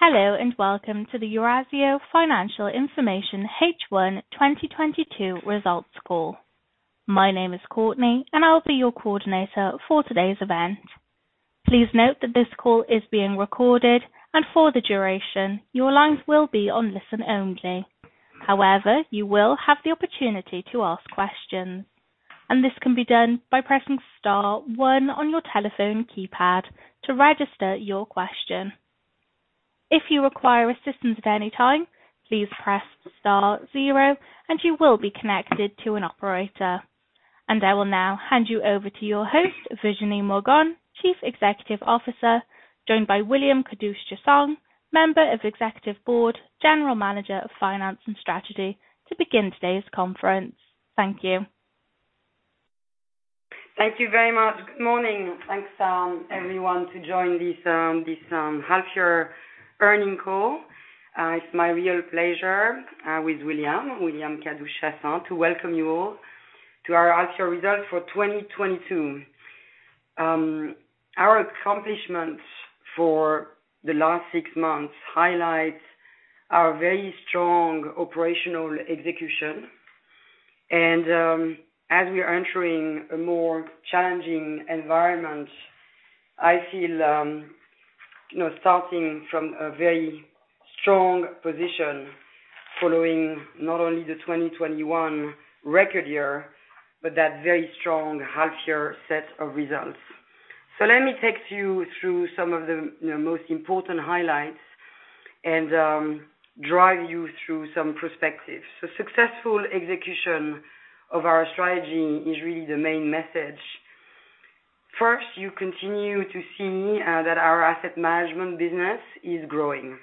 Hello, and welcome to the Eurazeo Financial Information H1 2022 Results Call. My name is Courtney, and I'll be your coordinator for today's event. Please note that this call is being recorded, and for the duration, your lines will be on listen-only. However, you will have the opportunity to ask questions, and this can be done by pressing star one on your telephone keypad to register your question. If you require assistance at any time, please press star zero and you will be connected to an operator. I will now hand you over to your host, Virginie Morgon, Chief Executive Officer, joined by William Kadouch-Chassaing, Member of the Executive Board, General Manager of Finance and Strategy, to begin today's conference. Thank you. Thank you very much. Good morning. Thanks everyone, to join this half-year earnings call. It's my real pleasure with William Kadouch-Chassaing to welcome you all to our half-year results for 2022. Our accomplishments for the last six months highlights our very strong operational execution. As we are entering a more challenging environment, I feel you know, starting from a very strong position following not only the 2021 record year, but that very strong half-year set of results. Let me take you through some of the most important highlights and drive you through some perspectives. Successful execution of our strategy is really the main message. First, you continue to see that our asset management business is growing.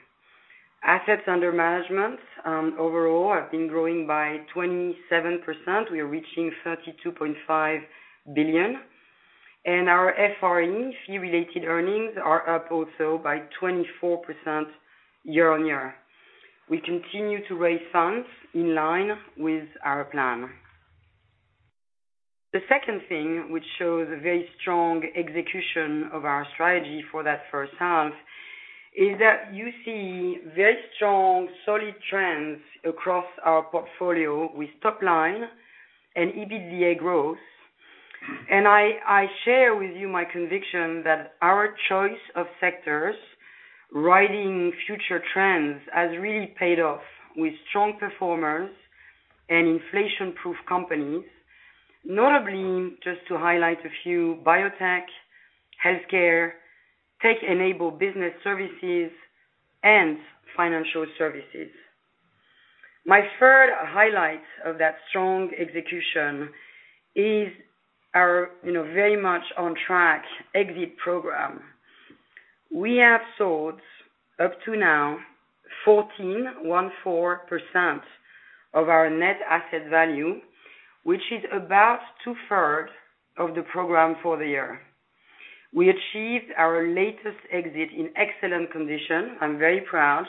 Assets under management overall have been growing by 27%. We are reaching 32.5 billion. Our FRE, fee related earnings, are up also by 24% year-on-year. We continue to raise funds in line with our plan. The second thing which shows a very strong execution of our strategy for that first half is that you see very strong solid trends across our portfolio with top line and EBITDA growth. I share with you my conviction that our choice of sectors riding future trends has really paid off with strong performers and inflation-proof companies. Notably, just to highlight a few, biotech, healthcare, tech-enabled business services, and financial services. My third highlight of that strong execution is our, you know, very much on track exit program. We have sold up to now 14.14% of our net asset value, which is about two-thirds of the program for the year. We achieved our latest exit in excellent condition. I'm very proud.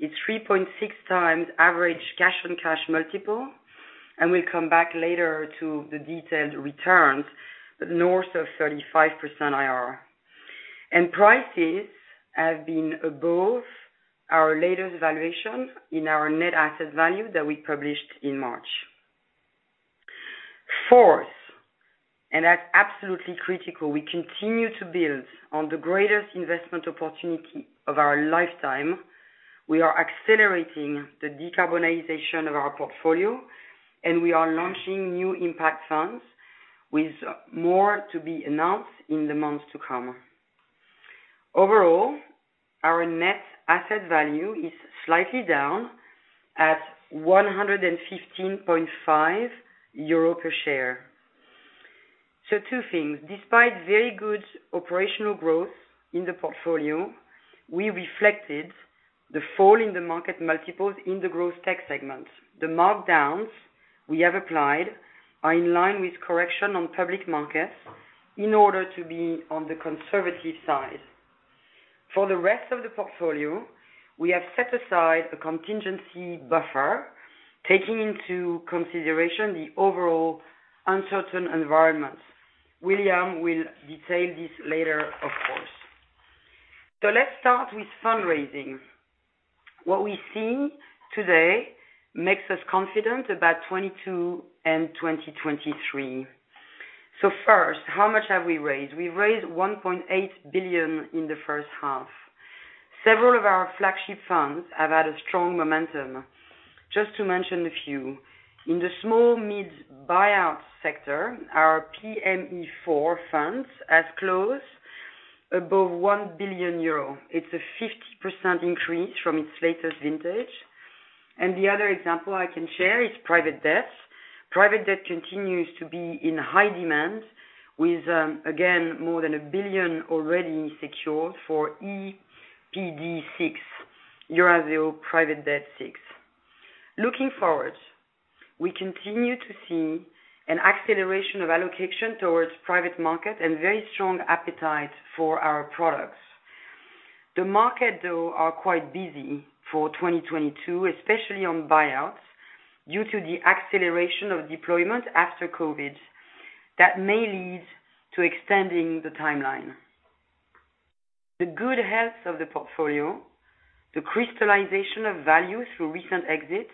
It's 3.6 times average cash on cash multiple, and we'll come back later to the detailed returns, but north of 35% IRR. Prices have been above our latest valuation in our net asset value that we published in March. Fourth, and that's absolutely critical, we continue to build on the greatest investment opportunity of our lifetime. We are accelerating the decarbonization of our portfolio, and we are launching new impact funds with more to be announced in the months to come. Overall, our net asset value is slightly down at 115.5 euro per share, two things. Despite very good operational growth in the portfolio, we reflected the fall in the market multiples in the Growth tech segment. The markdowns we have applied are in line with correction on public markets in order to be on the conservative side. For the rest of the portfolio, we have set aside a contingency buffer, taking into consideration the overall uncertain environment. William will detail this later, of course. Let's start with fundraising. What we see today makes us confident about 2022 and 2023. First, how much have we raised? We raised 1.8 billion in the first half. Several of our flagship funds have had a strong momentum. Just to mention a few, in the small-mid buyouts sector, our PME IV funds has closed above 1 billion euro. It's a 50% increase from its latest vintage. The other example I can share is private debt. Private debt continues to be in high demand with, again, more than 1 billion already secured for EPD VI, Eurazeo Private Debt VI. Looking forward, we continue to see an acceleration of allocation towards private market and very strong appetite for our products. The market, though, are quite busy for 2022, especially on buyouts, due to the acceleration of deployment after COVID. That may lead to extending the timeline. The good health of the portfolio, the crystallization of value through recent exits,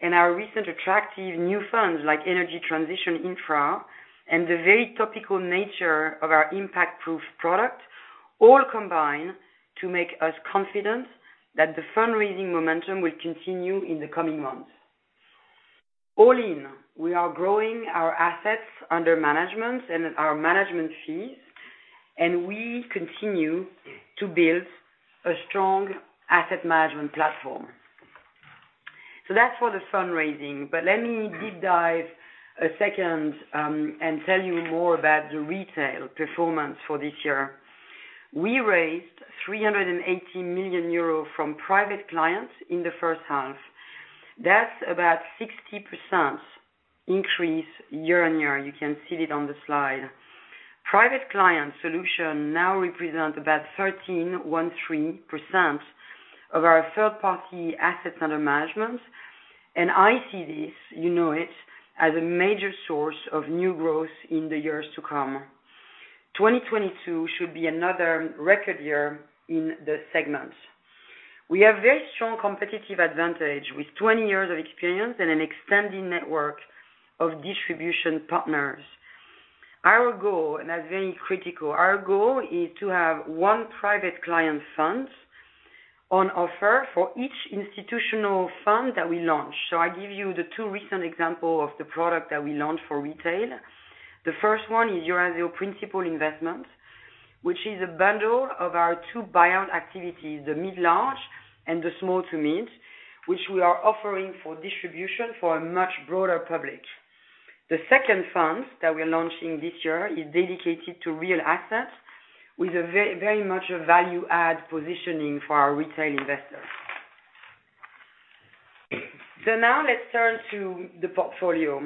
and our recent attractive new funds like Energy Transition Infra, and the very topical nature of our impact-proof product, all combine to make us confident that the fundraising momentum will continue in the coming months. All in, we are growing our assets under management and our management fees, and we continue to build a strong asset management platform. That's for the fundraising. Let me deep dive a second, and tell you more about the retail performance for this year. We raised 380 million euros from private clients in the first half. That's about 60% increase year-on-year. You can see it on the slide. Private client solution now represents about 13.3% of our third-party assets under management. I see this, you know it, as a major source of new growth in the years to come. 2022 should be another record year in the segment. We have very strong competitive advantage with 20 years of experience and an extended network of distribution partners. Our goal, and that's very critical, our goal is to have one private client fund on offer for each institutional fund that we launch. I give you the two recent example of the product that we launched for retail. The first one is Eurazeo Principal Investments, which is a bundle of our two buyout activities, the mid-large and the small to mid, which we are offering for distribution for a much broader public. The second fund that we're launching this year is dedicated to real assets with a very much a value-add positioning for our retail investors. Now let's turn to the portfolio.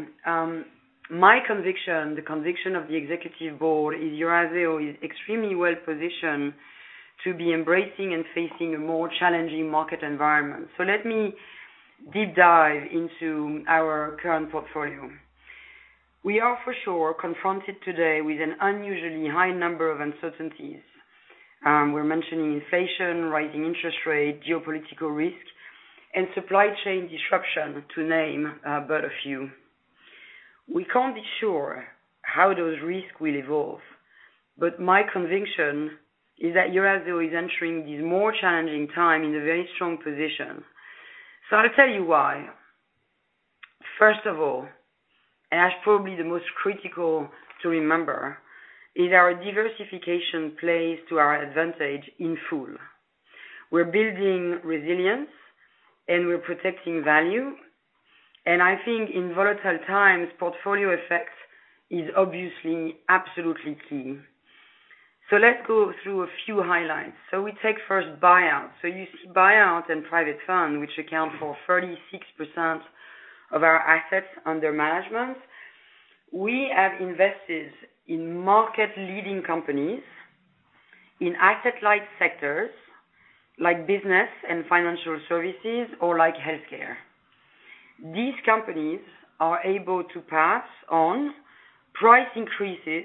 My conviction, the conviction of the executive board is Eurazeo is extremely well-positioned to be embracing and facing a more challenging market environment. Let me deep dive into our current portfolio. We are for sure confronted today with an unusually high number of uncertainties. We're mentioning inflation, rising interest rate, geopolitical risk, and supply chain disruption to name, but a few. We can't be sure how those risks will evolve, but my conviction is that Eurazeo is entering these more challenging times in a very strong position. I'll tell you why. First of all, and that's probably the most critical to remember, is our diversification plays to our advantage in full. We're building resilience, and we're protecting value. I think in volatile times, portfolio effects is obviously absolutely key. Let's go through a few highlights. We take first buyouts. You see buyout and private fund, which account for 36% of our assets under management. We have invested in market-leading companies in asset light sectors like business and financial services or like healthcare. These companies are able to pass on price increases,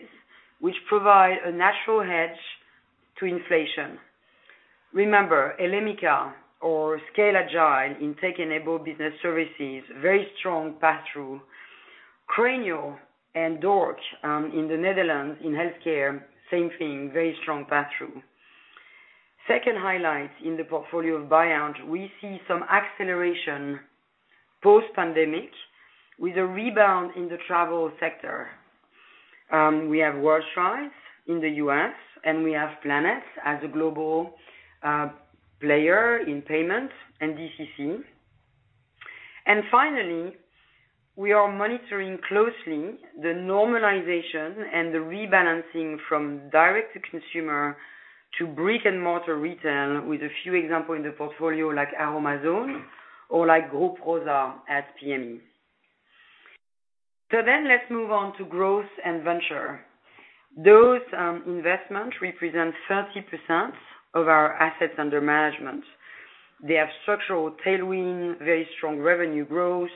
which provide a natural hedge to inflation. Remember, Elemica or Scaled Agile in tech-enabled business services, very strong pass-through. Cranial and DORC in the Netherlands in healthcare, same thing, very strong pass-through. Second highlight in the portfolio of buyout, we see some acceleration post-pandemic with a rebound in the travel sector. We have WorldStrides in the U.S., and we have Planet as a global player in payment and DCC. Finally, we are monitoring closely the normalization and the rebalancing from direct to consumer to brick-and-mortar retail with a few example in the portfolio like Aroma-Zone or like Groupe Rocher as PME. Let's move on to growth and venture. Those investment represent 30% of our assets under management. They have structural tailwind, very strong revenue growth.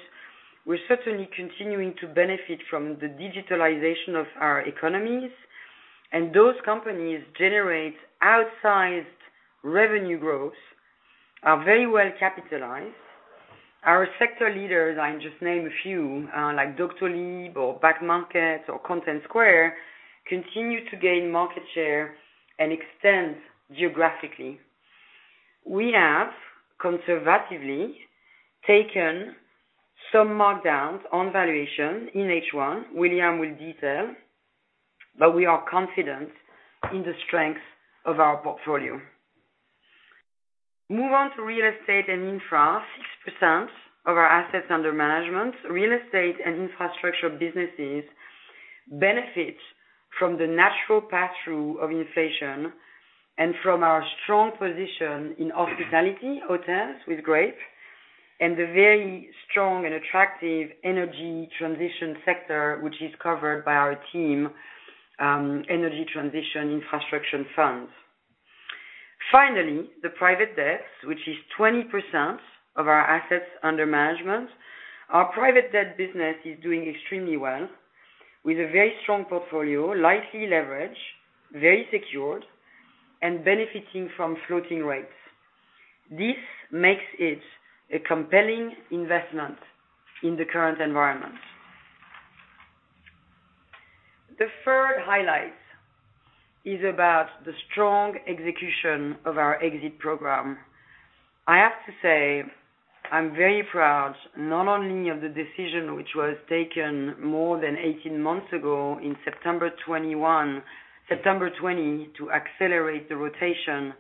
We're certainly continuing to benefit from the digitalization of our economies, and those companies generate outsized revenue growth, are very well capitalized. Our sector leaders, I'll just name a few, like Doctolib or BackMarket or ContentSquare, continue to gain market share and extend geographically. We have conservatively taken some markdowns on valuation in H1, William will detail, but we are confident in the strength of our portfolio. Move on to real estate and infra, 6% of our assets under management. Real estate and infrastructure businesses benefit from the natural pass-through of inflation and from our strong position in hospitality hotels with Grape and the very strong and attractive energy transition sector, which is covered by our team, energy transition infrastructure funds. Finally, the private debt, which is 20% of our assets under management. Our private debt business is doing extremely well with a very strong portfolio, lightly leveraged, very secured, and benefiting from floating rates. This makes it a compelling investment in the current environment. The third highlight is about the strong execution of our exit program. I have to say, I'm very proud not only of the decision which was taken more than 18 months ago in September 2020 to accelerate the rotation,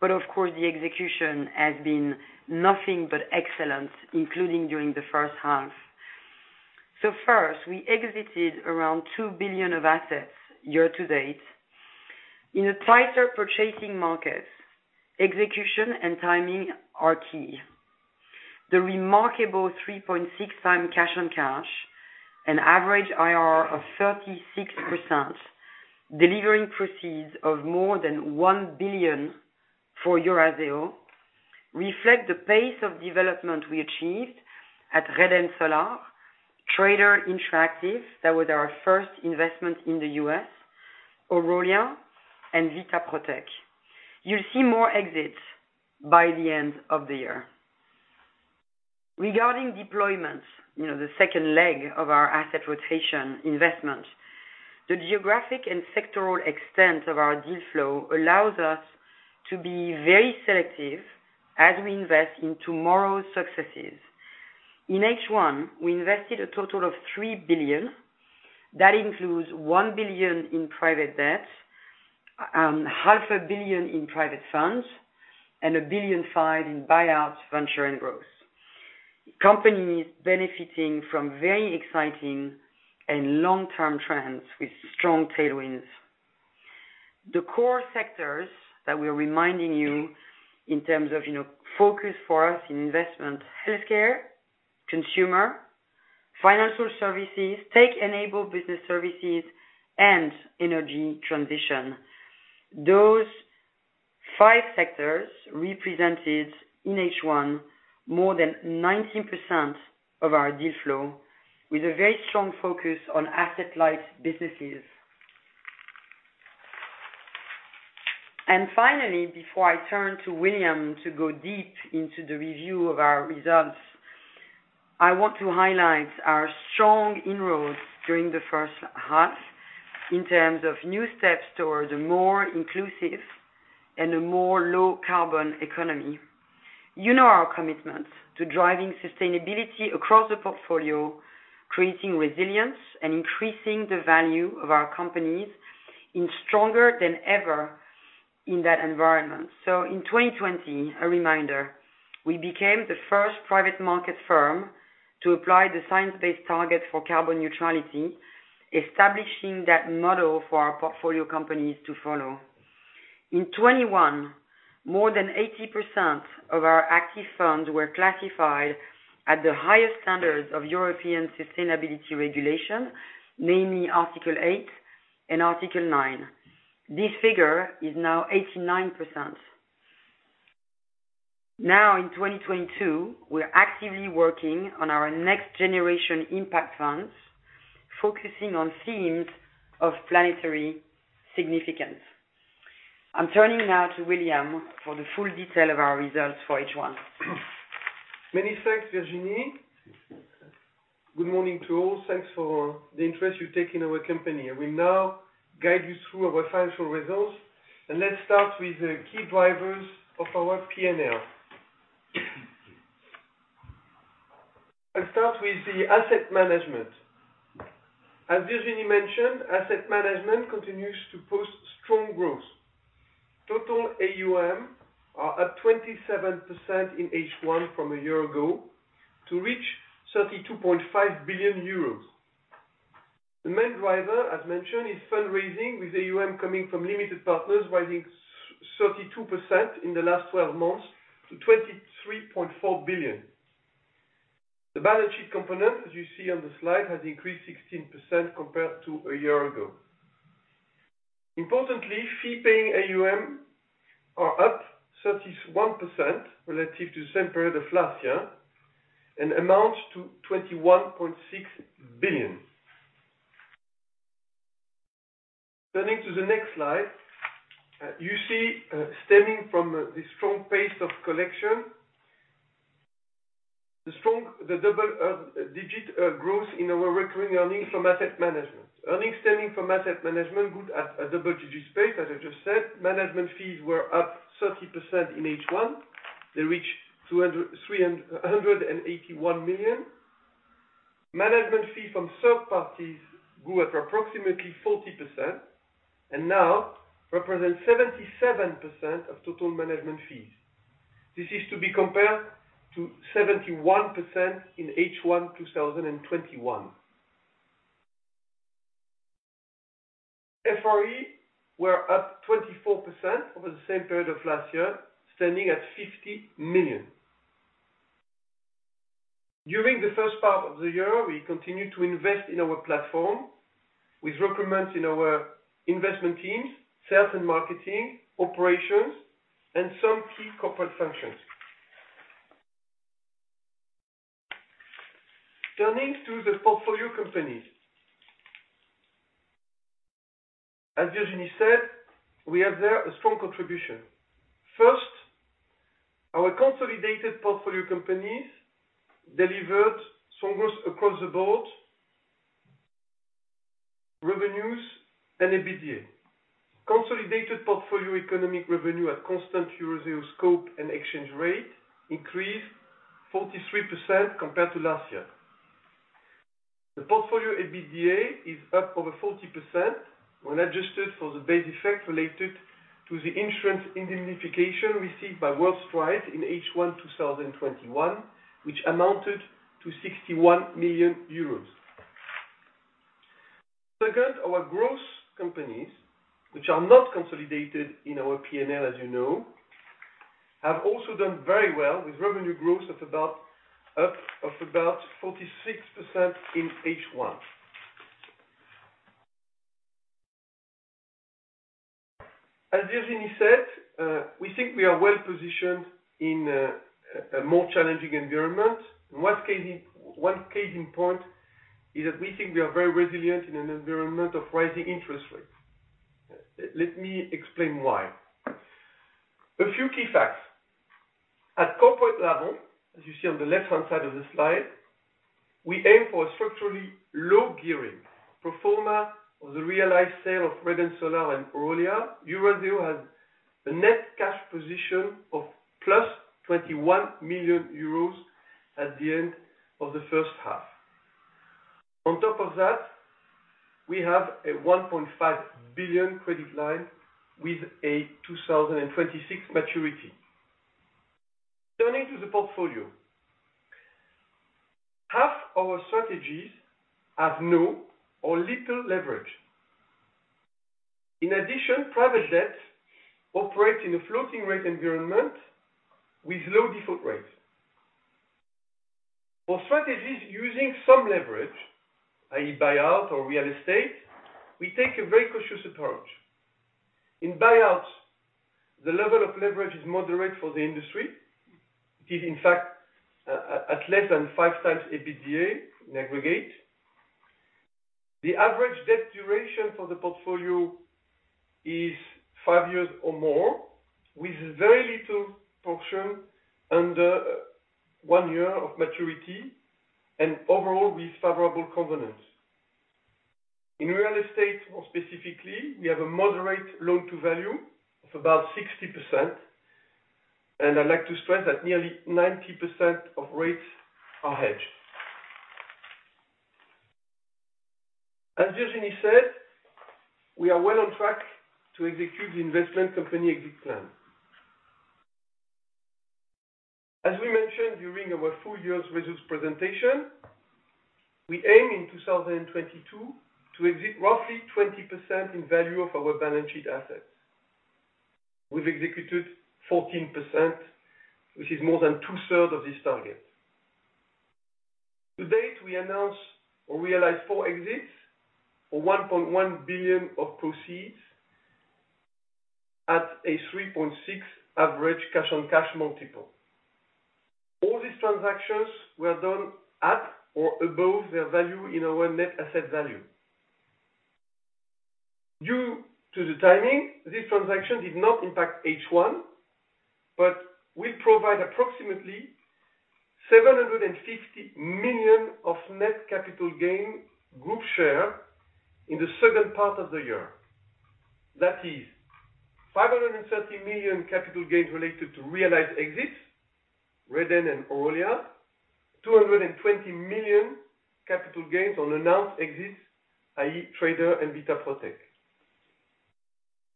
but of course, the execution has been nothing but excellent, including during the first half. First, we exited around 2 billion of assets year-to-date. In a tighter purchasing market, execution and timing are key. The remarkable 3.6 times cash on cash, an average IRR of 36%, delivering proceeds of more than 1 billion for Eurazeo, reflect the pace of development we achieved at Reden Solar, Trader Interactive, that was our first investment in the U.S., Orolia, and Vitaprotech. You'll see more exits by the end of the year. Regarding deployments, you know, the second leg of our asset rotation investment, the geographic and sectoral extent of our deal flow allows us to be very selective as we invest in tomorrow's successes. In H1, we invested a total of 3 billion. That includes 1 billion in private debt, half a billion in private funds, and 1.5 billion in buyouts, venture and growth. Companies benefiting from very exciting and long-term trends with strong tailwinds. The core sectors that we're reminding you in terms of, you know, focus for us in investment, healthcare, consumer, financial services, tech-enabled business services, and energy transition. Those five sectors represented in H1 more than 19% of our deal flow, with a very strong focus on asset-light businesses. Finally, before I turn to William to go deep into the review of our results, I want to highlight our strong inroads during the first half in terms of new steps towards a more inclusive and a more low carbon economy. You know our commitment to driving sustainability across the portfolio, creating resilience, and increasing the value of our companies in stronger than ever in that environment. In 2020, a reminder, we became the first private market firm to apply the science-based target for carbon neutrality, establishing that model for our portfolio companies to follow. In 2021, more than 80% of our active funds were classified at the highest standards of European sustainability regulation, namely Article 8 and Article 9. This figure is now 89%. In 2022, we're actively working on our next generation impact funds, focusing on themes of planetary significance. I'm turning now to William for the full detail of our results for H1. Many thanks, Virginie. Good morning to all. Thanks for the interest you take in our company. I will now guide you through our financial results, and let's start with the key drivers of our P&L. Let's start with the asset management. As Virginie mentioned, asset management continues to post strong growth. Total AUM are at 27% in H1 from a year ago to reach 32.5 billion euros. The main driver, as mentioned, is fundraising, with AUM coming from limited partners rising thirty-two percent in the last twelve months to 23.4 billion. The balance sheet component, as you see on the slide, has increased 16% compared to a year ago. Importantly, fee-paying AUM are up 31% relative to the same period of last year and amounts to EUR 21.6 billion. Turning to the next slide, you see, stemming from the strong pace of collection, the strong double-digit growth in our recurring earnings from asset management. Earnings stemming from asset management grew at a double-digit pace as I've just said. Management fees were up 30% in H1. They reached 231 million. Management fees from third parties grew at approximately 40% and now represent 77% of total management fees. This is to be compared to 71% in H1 2021. FRE were up 24% over the same period of last year, standing at 50 million. During the first part of the year, we continued to invest in our platform with recruitments in our investment teams, sales and marketing, operations, and some key corporate functions. Turning to the portfolio companies. As Virginie Morgon said, we have there a strong contribution. First, our consolidated portfolio companies delivered strong growth across the board, revenues and EBITDA. Consolidated portfolio economic revenue at constant Eurazeo scope and exchange rate increased 43% compared to last year. The portfolio EBITDA is up over 40% when adjusted for the base effect related to the insurance indemnification received by WorldStrides in H1 2021, which amounted to 61 million euros. Second, our growth companies, which are not consolidated in our P&L, as you know, have also done very well with revenue growth of about 46% in H1. As Virginie Morgon said, we think we are well-positioned in a more challenging environment. One case in point is that we think we are very resilient in an environment of rising interest rates. Let me explain why. A few key facts. At corporate level, as you see on the left-hand side of the slide, we aim for a structurally low gearing. Pro forma of the realized sale of Reden Solar and Orolia, Eurazeo has a net cash position of +21 million euros at the end of the first half. On top of that, we have a 1.5 billion credit line with a 2026 maturity. Turning to the portfolio. Half our strategies have no or little leverage. In addition, private debts operate in a floating rate environment with low default rates. For strategies using some leverage, i.e. buyout or real estate, we take a very cautious approach. In buyouts, the level of leverage is moderate for the industry. It is, in fact, at less than 5x EBITDA in aggregate. The average debt duration for the portfolio is 5 years or more, with very little portion under one year of maturity and overall with favorable components. In real estate, more specifically, we have a moderate loan-to-value of about 60%, and I'd like to stress that nearly 90% of rates are hedged. As Virginie said, we are well on track to execute the investment company exit plan. As we mentioned during our full year's results presentation, we aim in 2022 to exit roughly 20% in value of our balance sheet assets. We've executed 14%, which is more than two-thirds of this target. To date, we announced or realized four exits for 1.1 billion of proceeds at a 3.6 average cash-on-cash multiple. All these transactions were done at or above their value in our net asset value. Due to the timing, this transaction did not impact H1, but will provide approximately 750 million of net capital gain group share in the second part of the year. That is 530 million capital gains related to realized exits, Reden and Orolia, 220 million capital gains on announced exits, i.e., Trader and Vitaprotech.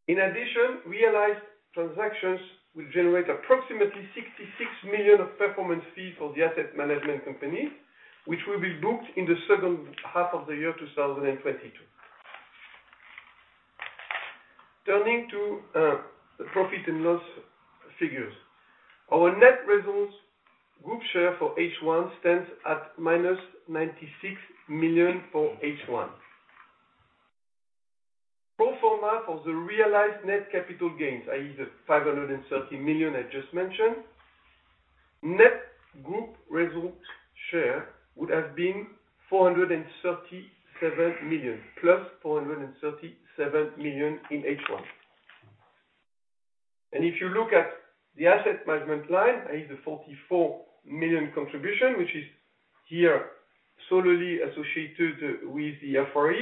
In addition, realized transactions will generate approximately 66 million of performance fees for the asset management company, which will be booked in the second half of the year 2022. Turning to the profit and loss figures. Our net results group share for H1 stands at -96 million for H1. Pro forma for the realized net capital gains, i.e. The 530 million I just mentioned, net group result share would have been 437 million, plus 437 million in H1. If you look at the asset management line, i.e. the 44 million contribution, which is here solely associated with the FRE,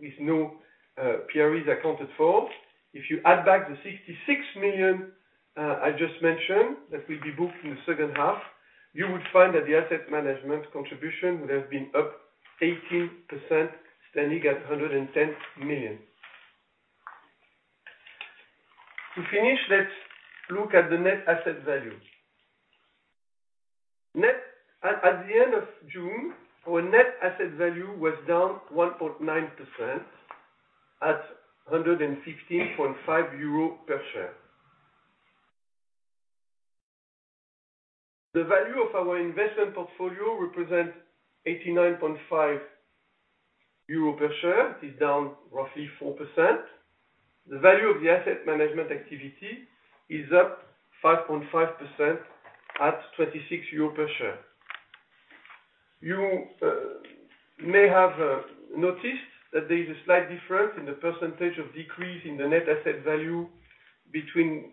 with no PRI accounted for. If you add back the 66 million I just mentioned that will be booked in the second half, you would find that the asset management contribution would have been up 18%, standing at EUR 110 million. To finish, let's look at the net asset value. At the end of June, our net asset value was down 1.9% at EUR 116.5 per share. The value of our investment portfolio represents 89.5 euro per share, it is down roughly 4%. The value of the asset management activity is up 5.5% at 26 euro per share. You may have noticed that there is a slight difference in the percentage of decrease in the net asset value between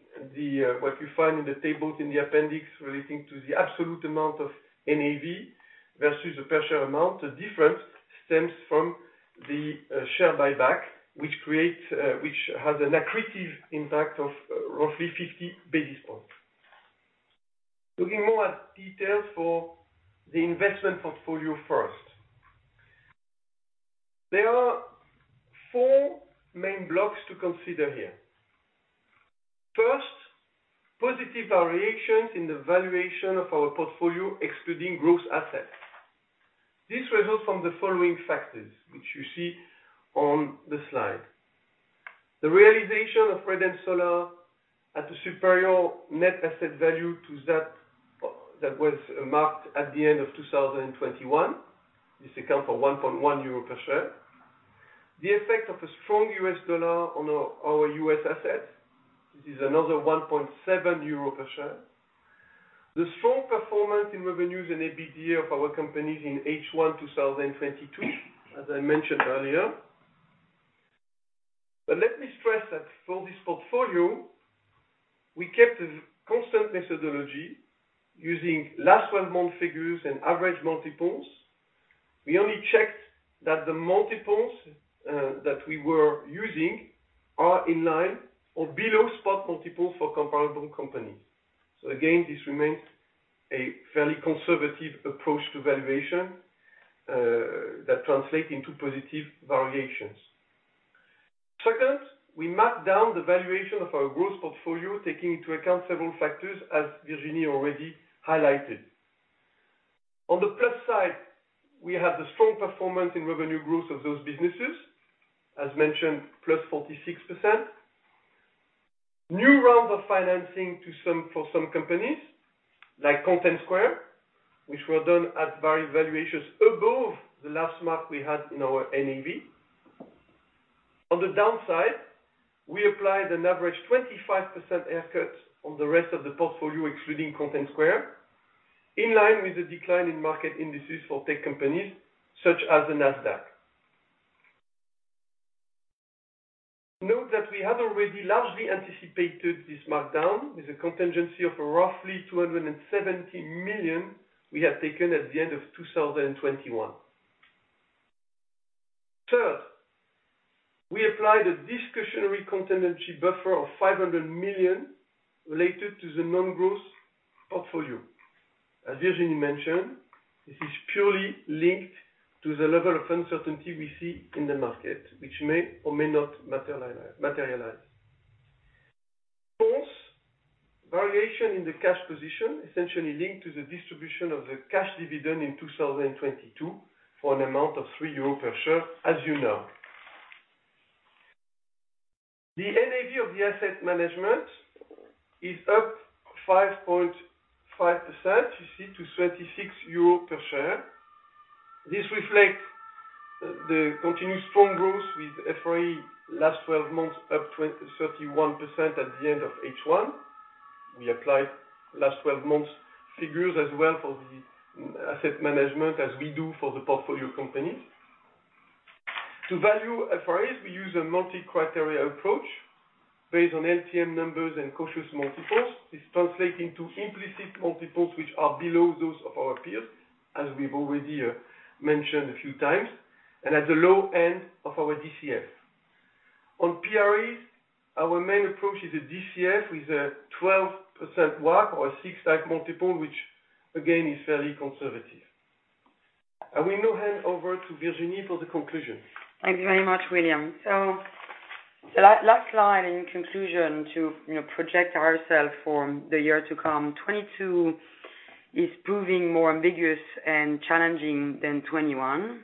what you find in the tables in the appendix relating to the absolute amount of NAV versus the per share amount. The difference stems from the share buyback which has an accretive impact of roughly 50 basis points. Looking more at details for the investment portfolio first. There are four main blocks to consider here. First, positive variations in the valuation of our portfolio excluding growth assets. This results from the following factors, which you see on the slide. The realization of Reden Solar at a superior net asset value to that was marked at the end of 2021. This accounts for 1.1 euro per share, the effect of a strong U.S. dollar on our US assets. This is another 1.7 euro per share. The strong performance in revenues and EBITDA of our companies in H1 2022, as I mentioned earlier. Let me stress that for this portfolio, we kept a constant methodology using last twelve-month figures and average multiples. We only checked that the multiples that we were using are in line or below spot multiples for comparable companies. Again, this remains a fairly conservative approach to valuation that translates into positive variations. Second, we marked down the valuation of our growth portfolio taking into account several factors, as Virginie already highlighted. On the plus side, we have the strong performance in revenue growth of those businesses. As mentioned, +46%. New rounds of financing for some companies, like ContentSquare, which were done at very valuations above the last mark we had in our NAV. On the downside, we applied an average 25% haircut on the rest of the portfolio, excluding ContentSquare, in line with the decline in market indices for tech companies such as the Nasdaq. Note that we have already largely anticipated this markdown with a contingency of roughly 270 million we have taken at the end of 2021. Third, we applied a discretionary contingency buffer of 500 million related to the non-growth portfolio. As Virginie mentioned, this is purely linked to the level of uncertainty we see in the market, which may or may not materialize. Fourth, variation in the cash position essentially linked to the distribution of the cash dividend in 2022 for an amount of 3 euros per share, as you know. The NAV of the asset management is up 5.5%, you see, to 26 euro per share. This reflects the continuous strong growth with FRE last twelve months, up 31% at the end of H1. We applied last twelve months figures as well for the asset management as we do for the portfolio companies. To value FREs, we use a multi-criteria approach based on LTM numbers and cautious multiples. This translating to implicit multiples which are below those of our peers, as we've already mentioned a few times, and at the low end of our DCF. On PREs, our main approach is a DCF with a 12% WACC or 6x multiple, which again is fairly conservative. I will now hand over to Virginie for the conclusion. Thanks very much, William. Last line, in conclusion, you know, to project ourselves for the year to come. 2022 is proving more ambiguous and challenging than 2021.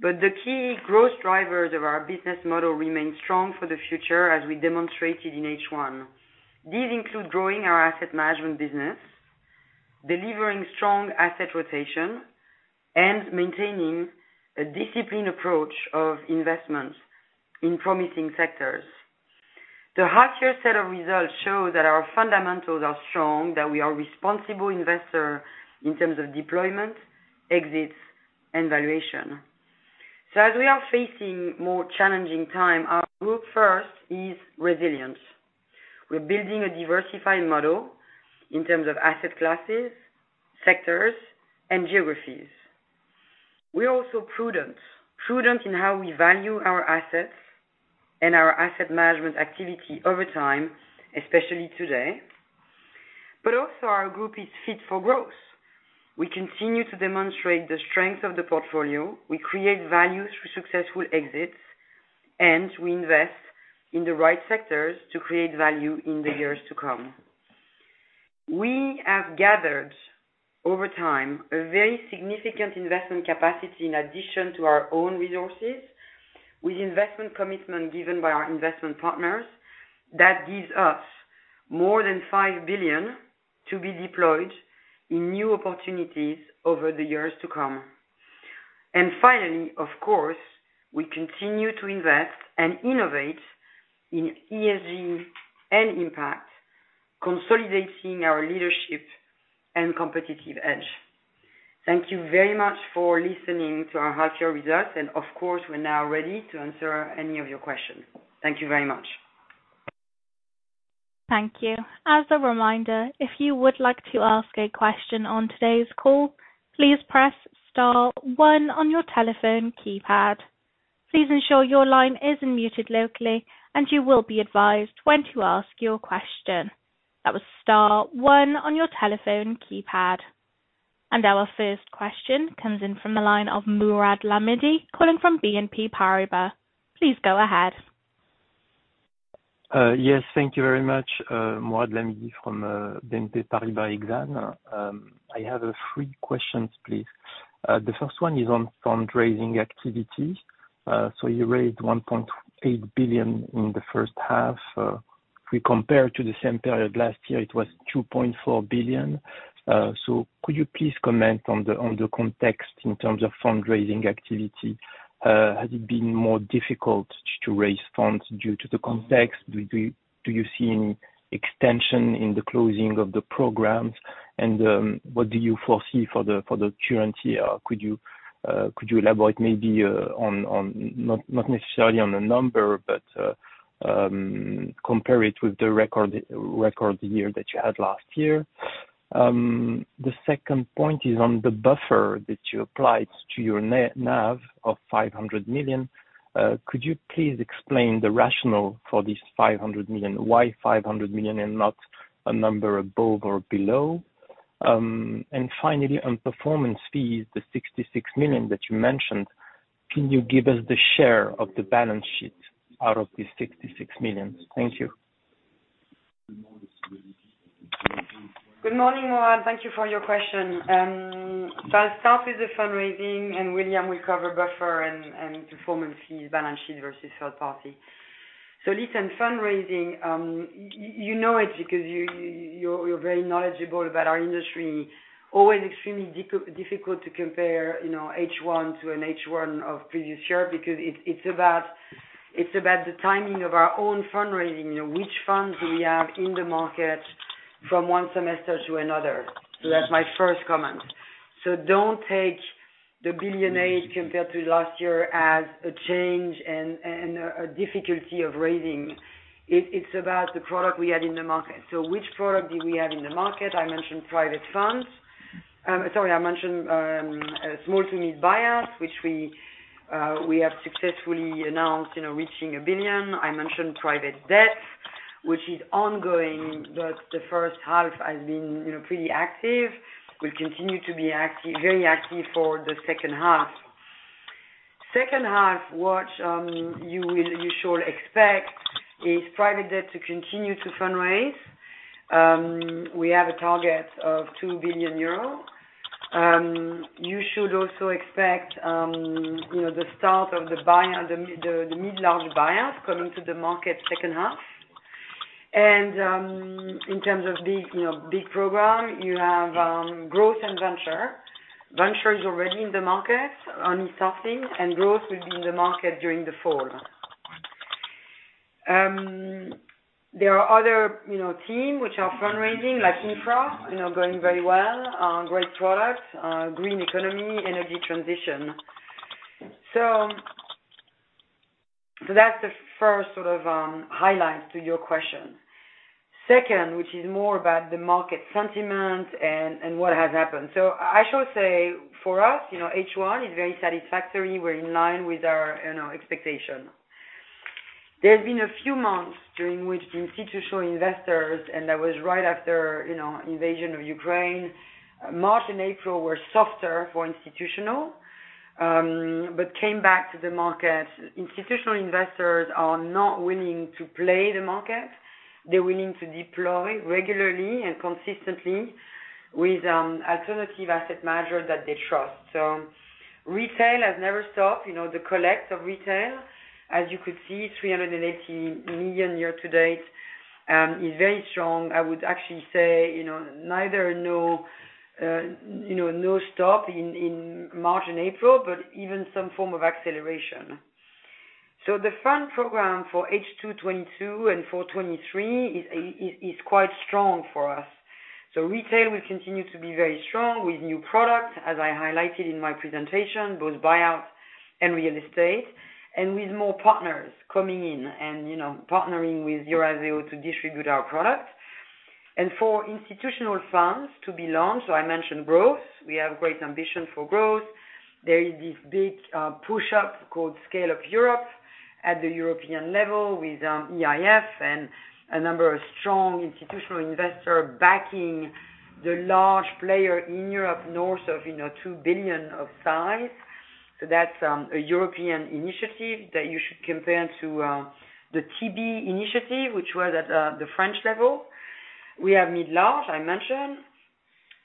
The key growth drivers of our business model remain strong for the future, as we demonstrated in H1. These include growing our asset management business, delivering strong asset rotation, and maintaining a disciplined approach of investments in promising sectors. The half year set of results show that our fundamentals are strong, that we are responsible investor in terms of deployment, exits, and valuation. As we are facing more challenging time, our group first is resilience. We're building a diversified model in terms of asset classes, sectors, and geographies. We are also prudent in how we value our assets and our asset management activity over time, especially today. Also our group is fit for growth. We continue to demonstrate the strength of the portfolio. We create value through successful exits, and we invest in the right sectors to create value in the years to come. We have gathered over time a very significant investment capacity in addition to our own resources, with investment commitment given by our investment partners. That gives us more than 5 billion to be deployed in new opportunities over the years to come. Finally, of course, we continue to invest and innovate in ESG and impact, consolidating our leadership and competitive edge. Thank you very much for listening to our half-year results. Of course, we're now ready to answer any of your questions. Thank you very much. Thank you. As a reminder, if you would like to ask a question on today's call, please press star one on your telephone keypad. Please ensure your line isn't muted locally and you will be advised when to ask your question. That was star one on your telephone keypad. Our first question comes in from the line of Mourad Lahmidi, calling from BNP Paribas. Please go ahead. Yes, thank you very much. Mourad Lahmidi from BNP Paribas Exane. I have three questions, please. The first one is on fundraising activity. So you raised 1.8 billion in the first half. If we compare to the same period last year, it was 2.4 billion. So could you please comment on the context in terms of fundraising activity? Has it been more difficult to raise funds due to the context? Do you see any extension in the closing of the programs? What do you foresee for the current year? Could you elaborate maybe, not necessarily on the number but compare it with the record year that you had last year? The second point is on the buffer that you applied to your NAV of 500 million. Could you please explain the rationale for this 500 million? Why 500 million and not a number above or below? And finally on performance fees, the 66 million that you mentioned, can you give us the share of the balance sheet out of the 66 million? Thank you. Good morning, Mourad. Thank you for your question. I'll start with the fundraising and William will cover buffer and performance fees, balance sheet versus third party. Listen, fundraising, you know it because you're very knowledgeable about our industry, always extremely difficult to compare, you know, H1 to an H1 of previous year, because it's about the timing of our own fundraising and which funds we have in the market from one semester to another. That's my first comment. Don't take the EUR 1.8 billion compared to last year as a change and a difficulty of raising. It's about the product we have in the market. Which product do we have in the market? I mentioned private funds. Sorry. I mentioned small to mid buyouts, which we have successfully announced, you know, reaching 1 billion. I mentioned private debt which is ongoing, but the first half has been, you know, pretty active. We'll continue to be very active for the second half. Second half, what you should expect is private debt to continue to fundraise. We have a target of 2 billion euros. You should also expect, you know, the start of the mid-large buyouts coming to the market second half. In terms of big, you know, big program, you have growth and venture. Venture is already in the market, only starting, and growth will be in the market during the fall. There are other, you know, team which are fundraising, like Infra, you know, going very well, great products, green economy, energy transition. That's the first sort of highlight to your question. Second, which is more about the market sentiment and what has happened. I should say for us, you know, H1 is very satisfactory. We're in line with our, you know, expectation. There's been a few months during which the institutional investors, and that was right after, you know, invasion of Ukraine, March and April were softer for institutional but came back to the market. Institutional investors are not willing to play the market. They're willing to deploy regularly and consistently with alternative asset managers that they trust. Retail has never stopped, you know, the collect of retail. As you could see, 300 million year to date is very strong. I would actually say no stop in March and April, but even some form of acceleration. The fund program for H2 2022 and for 2023 is quite strong for us. Retail will continue to be very strong with new products, as I highlighted in my presentation, both buyout and real estate, and with more partners coming in and partnering with Eurazeo to distribute our product. For institutional funds to be launched, I mentioned growth. We have great ambition for growth. There is this big scale-up called Scale-up Europe at the European level with EIF and a number of strong institutional investors backing the large player in Europe, north of 2 billion of size. That's a European initiative that you should compare to the Tibi initiative, which was at the French level. We have mid-large, I mentioned.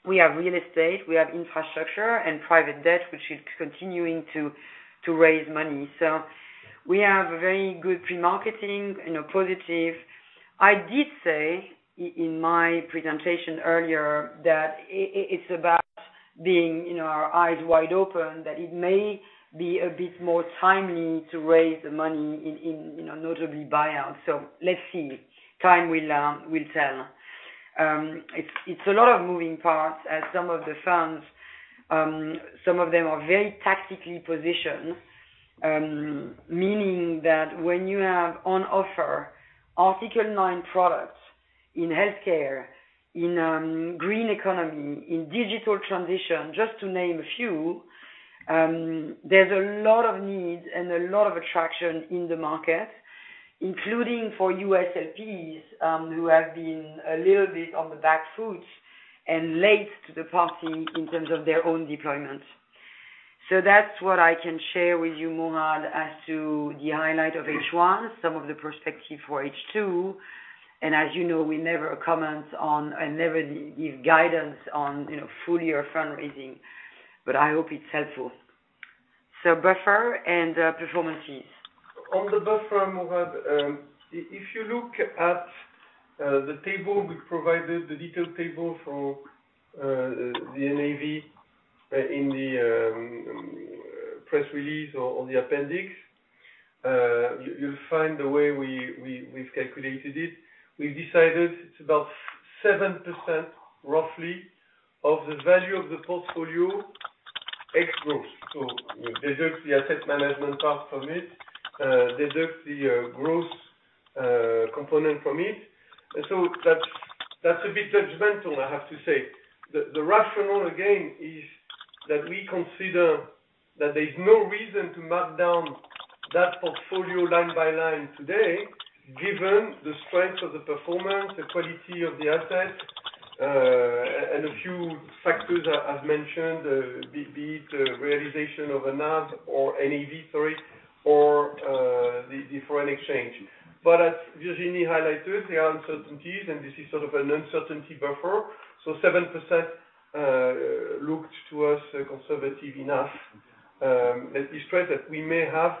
We have real estate, we have infrastructure and private debt, which is continuing to raise money. We have very good pre-marketing, you know, positive. I did say in my presentation earlier that it's about being, you know, our eyes wide open, that it may be a bit more timely to raise the money in, you know, notably buyout. Let's see. Time will tell. It's a lot of moving parts as some of the funds, some of them are very tactically positioned, meaning that when you have on offer Article 9 products in healthcare, in green economy, in digital transition just to name a few, there's a lot of need and a lot of attraction in the market, including for U.S. LPs, who have been a little bit on the back foot and late to the party in terms of their own deployment. That's what I can share with you, Mourad, as to the highlight of H1, some of the perspective for H2, and as you know, we never comment on and never give guidance on, you know, full year fundraising, but I hope it's helpful. Buffer and performances. On the buffer, Mourad, if you look at the table, we provided the detailed table for the NAV in the press release or on the appendix. You'll find the way we've calculated it. We've decided it's about 7% roughly of the value of the portfolio ex-growth. Deduct the asset management part from it, deduct the growth component from it. That's a bit judgmental, I have to say. The rationale again is that we consider that there's no reason to mark down that portfolio line by line today, given the strength of the performance, the quality of the assets, and a few factors as mentioned, be it realization of a NAV, sorry, or the foreign exchange. As Virginie highlighted, there are uncertainties and this is sort of an uncertainty buffer. 7% looks to us conservative enough. Let me stress that we may have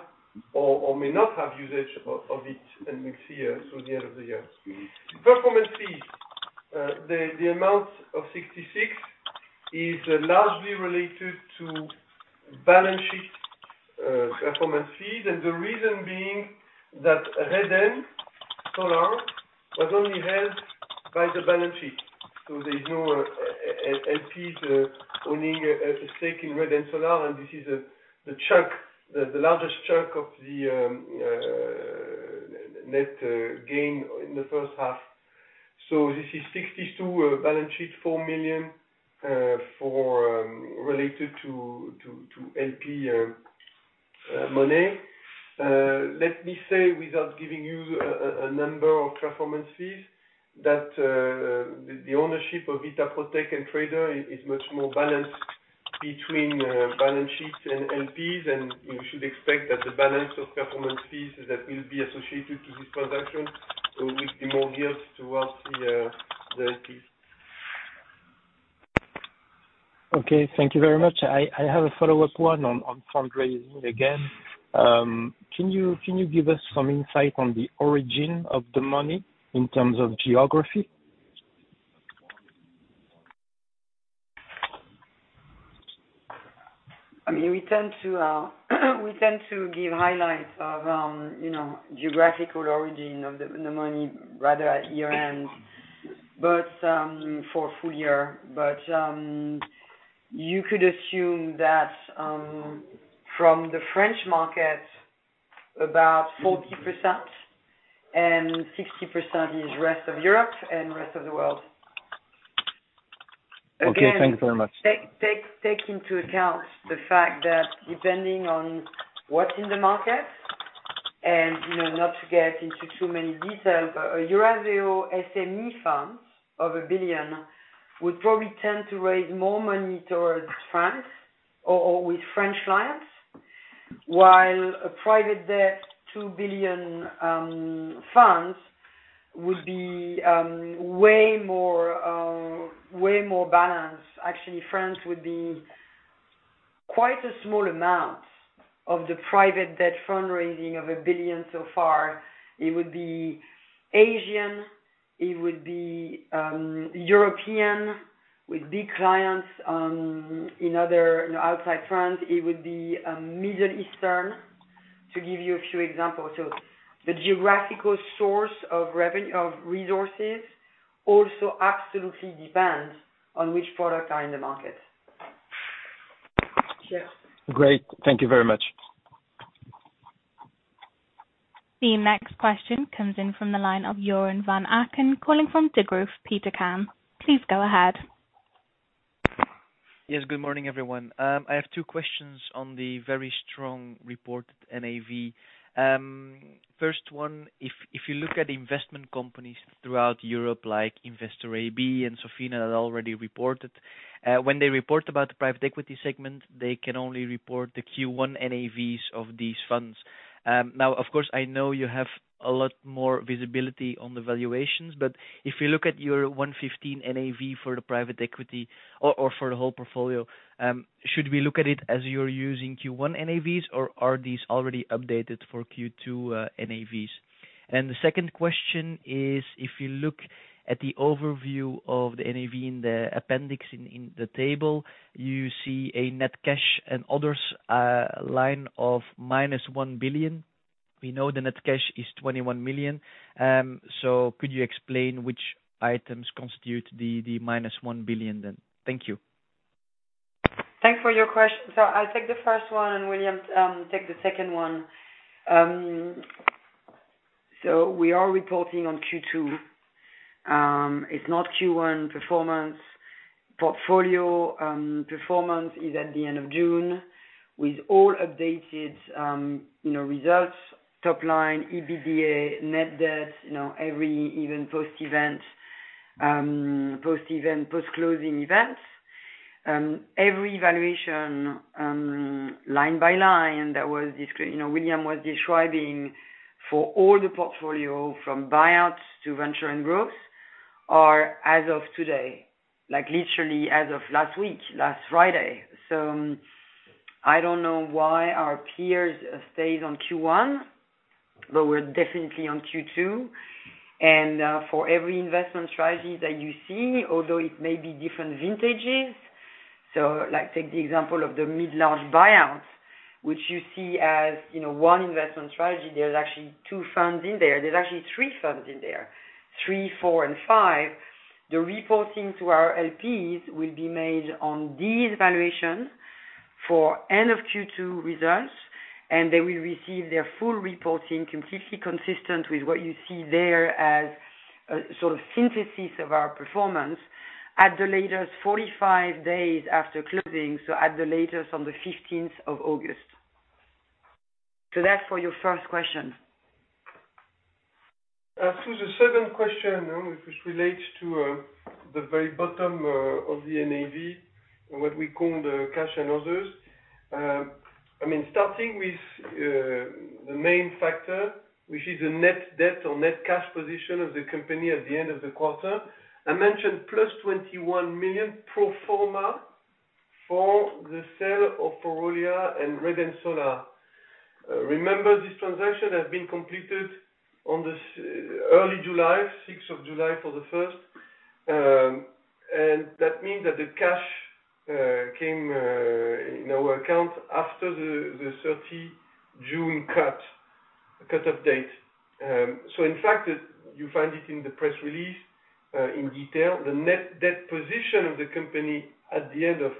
or may not have usage of it in next year, so the end of the year. Performance fees. The amount of 66 is largely related to balance sheet performance fees and the reason being that Reden Solar was only held by the balance sheet. There's no LPs owning a stake in Reden Solar, and this is the chunk, the largest chunk of the net gain in the first half. This is 62 balance sheet, 4 million related to LP money. Let me say, without giving you a number of performance fees, that the ownership of Vitaprotech and Trader is much more balanced between balance sheets and LPs, and you should expect that the balance of performance fees that will be associated to this transaction will be more geared towards the LPs. Okay, thank you very much. I have a follow-up on fundraising again. Can you give us some insight on the origin of the money in terms of geography? I mean we tend to give highlights of you know, geographical origin of the money rather at year-end, but for full year. You could assume that from the French market, about 40% and 60% is rest of Europe and rest of the world. Okay. Thank you very much. Again, take into account the fact that depending on what's in the market and, you know, not to get into too many details, but a Eurazeo PME funds of 1 billion would probably tend to raise more money towards France or with French clients, while a private debt 2 billion funds would be way more balanced. Actually, France would be quite a small amount of the private debt fundraising of 1 billion so far. It would be Asian, it would be European with big clients in other, you know, outside France. It would be Middle Eastern to give you a few examples. The geographical source of resources also absolutely depends on which products are in the market. Sure. Great. Thank you very much. The next question comes in from the line of Joren Van Aken, calling from Degroof Petercam. Please go ahead. Yes. Good morning, everyone. I have two questions on the very strong reported NAV. First one, if you look at investment companies throughout Europe, like Investor AB and Sofina had already reported, when they report about the private equity segment, they can only report the Q1 NAVs of these funds. Now, of course, I know you have a lot more visibility on the valuations, but if you look at your 115 NAV for the private equity or for the whole portfolio, should we look at it as you're using Q1 NAVs or are these already updated for Q2 NAVs? The second question is, if you look at the overview of the NAV in the appendix in the table, you see a net cash and others line of minus 1 billion. We know the net cash is 21 million. Could you explain which items constitute the -1 billion then? Thank you. Thanks for your question. I'll take the first one, and William take the second one. We are reporting on Q2. It's not Q1 performance. Portfolio performance is at the end of June with all updated, you know, results, top line, EBITDA, net debt, you know, every even post-event, post-closing events. Every valuation, line by line that William was describing for all the portfolio from buyouts to venture and growth are as of today. Like, literally as of last week, last Friday. I don't know why our peers stayed on Q1, but we're definitely on Q2. For every investment strategy that you see, although it may be different vintages, like, take the example of the mid-large buyouts, which you see as, you know, one investment strategy, there's actually two funds in there. There's actually three funds in there, three, four and five. The reporting to our LPs will be made on these valuations for end of Q2 results, and they will receive their full reporting completely consistent with what you see there as a sort of synthesis of our performance at the latest 45 days after closing, so at the latest on the fifteenth of August. That's for your first question. To the second question, which relates to the very bottom of the NAV and what we call the cash and others. I mean, starting with the main factor, which is the net debt or net cash position of the company at the end of the quarter. I mentioned +21 million pro forma for the sale of Orolia and Reden Solar. Remember this transaction has been completed on early July, 6 July for the first. That means that the cash came in our account after the 30 June cut-off date. In fact, you find it in the press release in detail. The net debt position of the company at the end of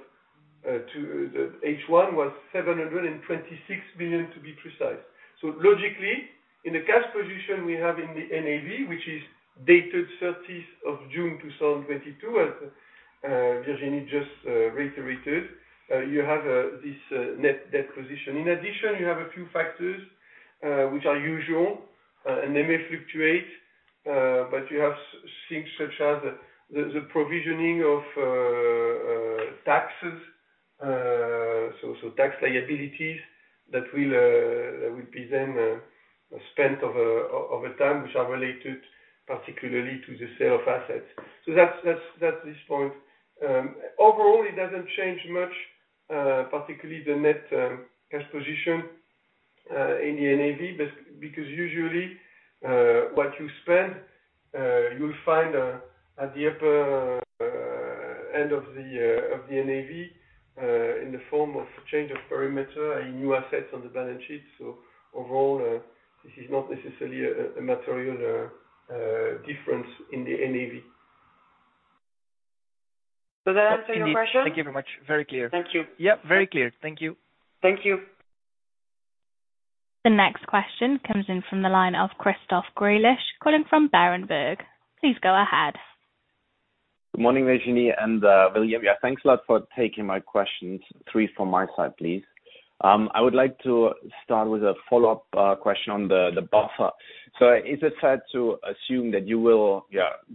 the H1 was 726 million to be precise. Logically, in the cash position we have in the NAV which is dated 30th of June 2022 as Virginie just reiterated, you have this net debt position. In addition, you have a few factors which are usual and they may fluctuate, but you have things such as the provisioning of taxes, tax liabilities that will be then spent over time, which are related particularly to the sale of assets. That's this point. Overall, it doesn't change much, particularly the net cash position in the NAV because usually what you spend you'll find at the upper end of the NAV in the form of change of perimeter and new assets on the balance sheet. Overall, this is not necessarily a material difference in the NAV. Does that answer your question? Thank you very much. Very clear. Thank you. Yeah, very clear. Thank you. Thank you. The next question comes in from the line of Christoph Greulich, calling from Berenberg. Please go ahead. Good morning, Virginie and William. Yeah thanks a lot for taking my questions. Three from my side, please. I would like to start with a follow-up question on the buffer. Is it fair to assume that you will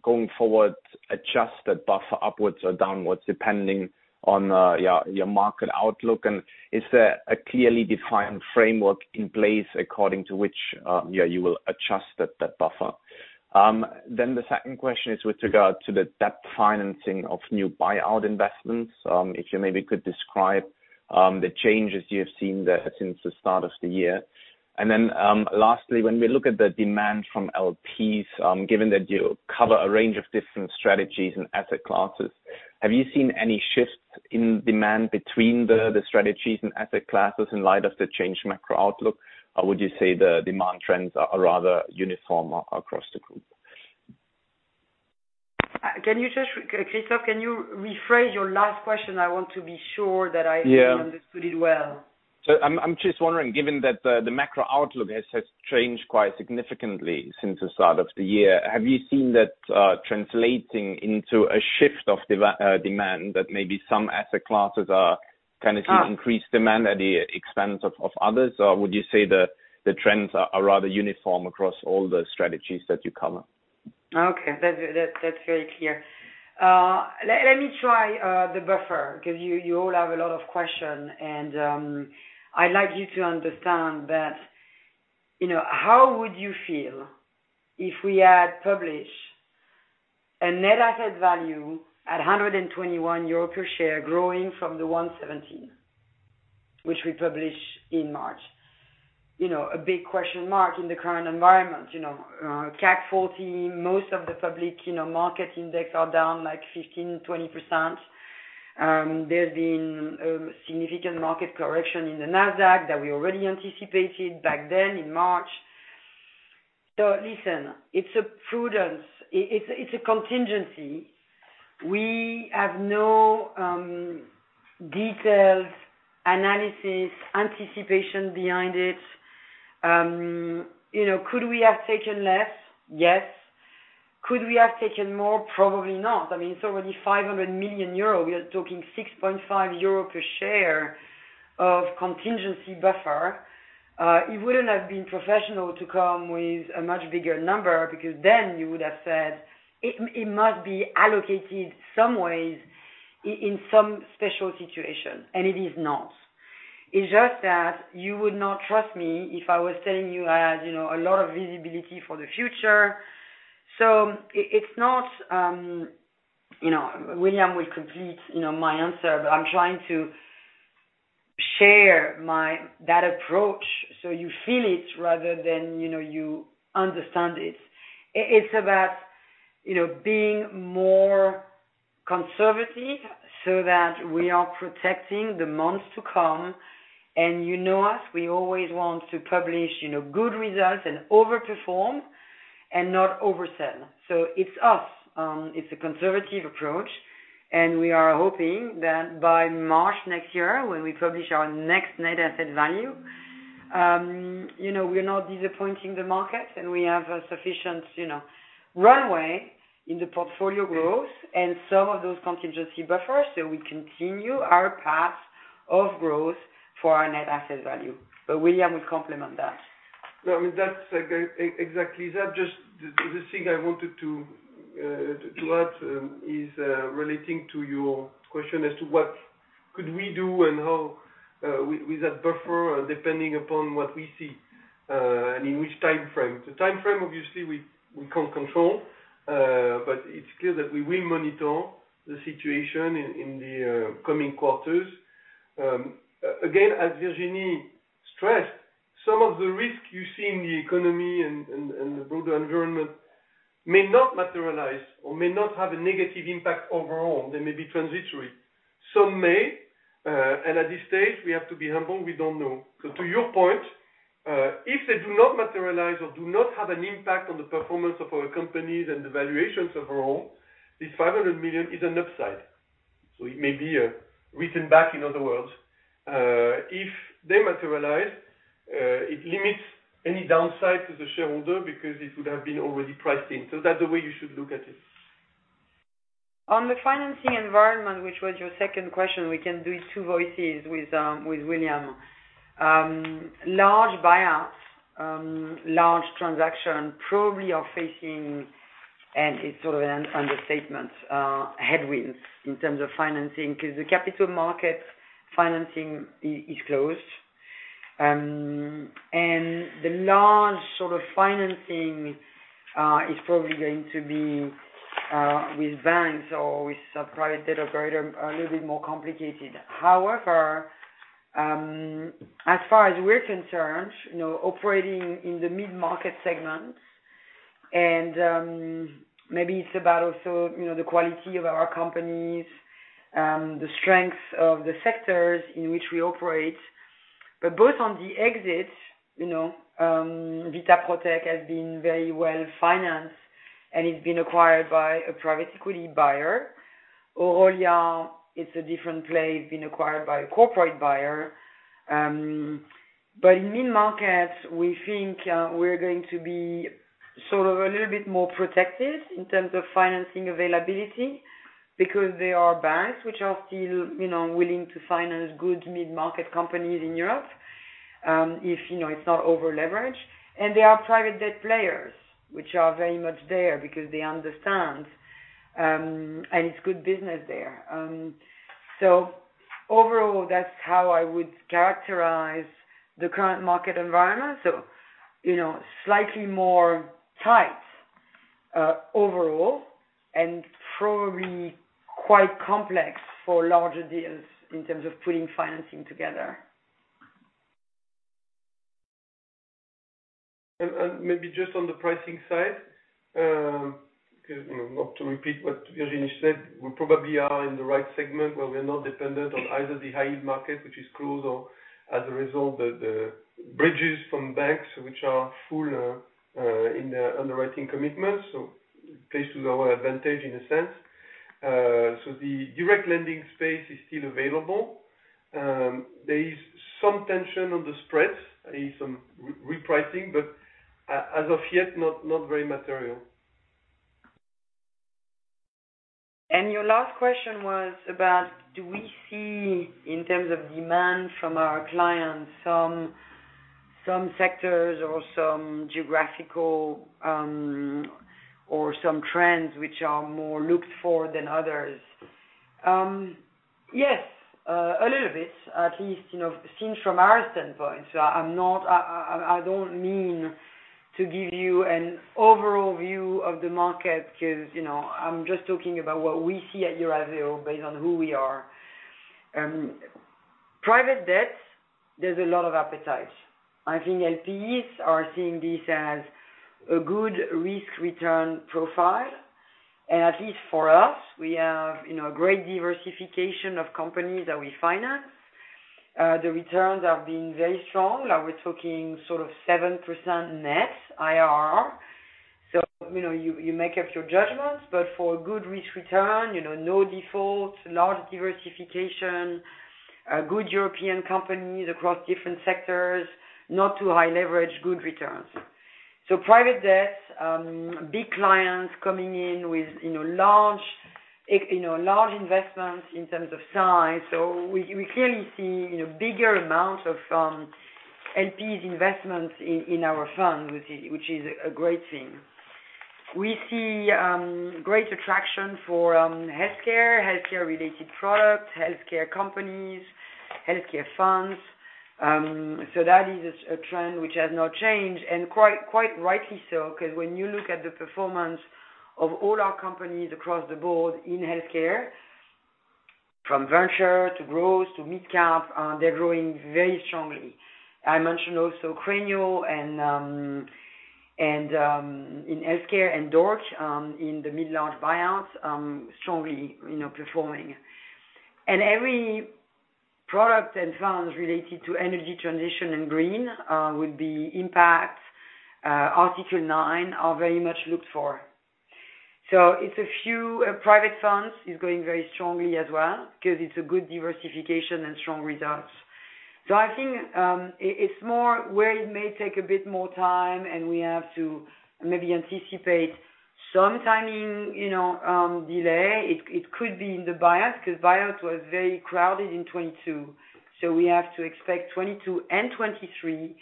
going forward adjust that buffer upwards or downwards depending on your market outlook? Is there a clearly defined framework in place according to which you will adjust that buffer? The second question is with regard to the debt financing of new buyout investments. If you maybe could describe the changes you have seen there since the start of the year. Lastly, when we look at the demand from LPs, given that you cover a range of different strategies and asset classes, have you seen any shifts in demand between the strategies and asset classes in light of the changed macro outlook? Or would you say the demand trends are rather uniform across the group? Christoph, can you rephrase your last question? I want to be sure that I understood it well. I'm just wondering, given that the macro outlook has changed quite significantly since the start of the year, have you seen that translating into a shift of demand that maybe some asset classes are kind of seeing increased demand at the expense of others? Or would you say the trends are rather uniform across all the strategies that you cover? Okay. That's very clear. Let me try the buffer because you all have a lot of questions and I'd like you to understand that, you know, how would you feel if we had published a net asset value at 121 euro per share growing from the 117, which we publish in March. You know, a big question mark in the current environment, you know, CAC 40, most of the public market index are down like 15%-20%. There's been significant market correction in the Nasdaq that we already anticipated back then in March. Listen, it's a prudence. It's a contingency. We have no detailed analysis, anticipation behind it. You know, could we have taken less? Yes. Could we have taken more? Probably not. I mean it's already 500 million euro. We are talking 6.5 euro per share of contingency buffer. It wouldn't have been professional to come with a much bigger number because then you would have said it must be allocated some ways in some special situation, and it is not. It's just that you would not trust me if I was telling you I had, you know, a lot of visibility for the future. So it's not, you know, William will complete, you know, my answer, but I'm trying to share my that approach, so you feel it rather than, you know, you understand it. It's about, you know, being more conservative so that we are protecting the months to come. You know us, we always want to publish, you know, good results and overperform and not oversell. So it's us. It's a conservative approach, and we are hoping that by March next year, when we publish our next net asset value, you know, we're not disappointing the market, and we have a sufficient, you know, runway in the portfolio growth and some of those contingency buffers, so we continue our path of growth for our net asset value. William will complement that. No, I mean, that's like exactly that. Just the thing I wanted to add is relating to your question as to what could we do and how with that buffer depending upon what we see and in which timeframe. The timeframe obviously, we can't control, but it's clear that we will monitor the situation in the coming quarters. Again, as Virginie stressed, some of the risks you see in the economy and the broader environment may not materialize or may not have a negative impact overall. They may be transitory. Some may and at this stage, we have to be humble. We don't know. To your point, if they do not materialize or do not have an impact on the performance of our companies and the valuations overall, this 500 million is an upside. It may be written back in other words. If they materialize, it limits any downside to the shareholder because it would have been already priced in. That's the way you should look at it. On the financing environment, which was your second question, we can do two voices with William. Large buyouts, large transaction probably are facing, and it's sort of an understatement, headwinds in terms of financing because the capital market financing is closed. And the large sort of financing is probably going to be with banks or with some private debt operator, a little bit more complicated. However, as far as we're concerned, you know, operating in the mid-market segment and, maybe it's about also, you know, the quality of our companies, the strength of the sectors in which we operate. But both on the exits, you know, Vitaprotech has been very well financed, and it's been acquired by a private equity buyer. Orolia is a different play. It's been acquired by a corporate buyer. In mid-markets, we think we're going to be sort of a little bit more protected in terms of financing availability because there are banks which are still, you know, willing to finance good mid-market companies in Europe, if, you know, it's not over-leveraged. There are private debt players which are very much there because they understand, and it's good business there. Overall, that's how I would characterize the current market environment. You know, slightly more tight overall and probably quite complex for larger deals in terms of putting financing together. Maybe just on the pricing side, 'cause, you know, not to repeat what Virginie said, we probably are in the right segment where we're not dependent on either the high-yield market, which is closed, or as a result, the bridges from banks which are full in the underwriting commitment. Plays to our advantage in a sense. The direct lending space is still available. There is some tension on the spreads and some repricing, but as of yet, not very material. Your last question was about do we see in terms of demand from our clients some sectors or some geographical or some trends which are more looked for than others? Yes, a little bit at least, you know, seen from our standpoint. I don't mean to give you an overall view of the market 'cause, you know, I'm just talking about what we see at Eurazeo based on who we are. Private debt, there's a lot of appetite. I think LPs are seeing this as a good risk-return profile. And at least for us, we have, you know, great diversification of companies that we finance. The returns have been very strong. Are we talking sort of 7% net IRR? You know, you make up your judgments, but for a good risk return, you know, no defaults, large diversification, good European companies across different sectors, not too high leverage, good returns. Private debt, big clients coming in with, you know, large investments in terms of size. We clearly see, you know, bigger amounts of LPs investments in our fund, which is a great thing. We see great attraction for healthcare related products, healthcare companies, healthcare funds. That is a trend which has not changed, and quite rightly so, 'cause when you look at the performance of all our companies across the board in healthcare, from venture to growth to midcap, they're growing very strongly. I mentioned also Cranial and in healthcare and DORC in the mid-large buyouts strongly, you know, performing. Every product and funds related to energy transition and green would be impact Article 9 are very much looked for. It's a few private funds is growing very strongly as well because it's a good diversification and strong results. I think it's more where it may take a bit more time and we have to maybe anticipate some timing, you know, delay. It could be in the buyouts 'cause buyouts was very crowded in 2022. We have to expect 2022 and 2023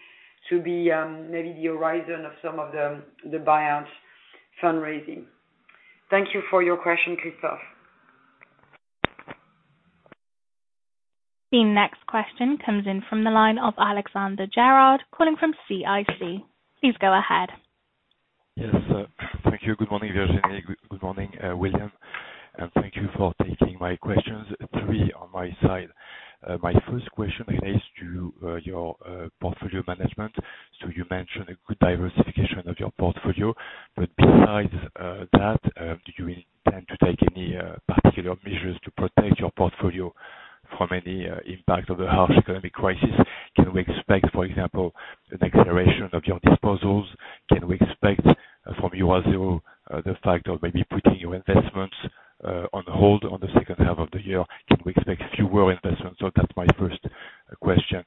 to be maybe the horizon of some of the buyouts fundraising. Thank you for your question, Christoph. The next question comes in from the line of Alexandre Gérard calling from CIC. Please go ahead. Yes, thank you. Good morning, Virginie. Good morning, William. Thank you for taking my questions. Three on my side. My first question is to your portfolio management. You mentioned a good diversification of your portfolio. Besides that, do you intend to take any particular measures to protect your portfolio from any impact of the harsh economic crisis? Can we expect, for example, an acceleration of your disposals? Can we expect from Eurazeo the fact of maybe putting your investments on hold on the second half of the year? Can we expect fewer investments? That's my first question.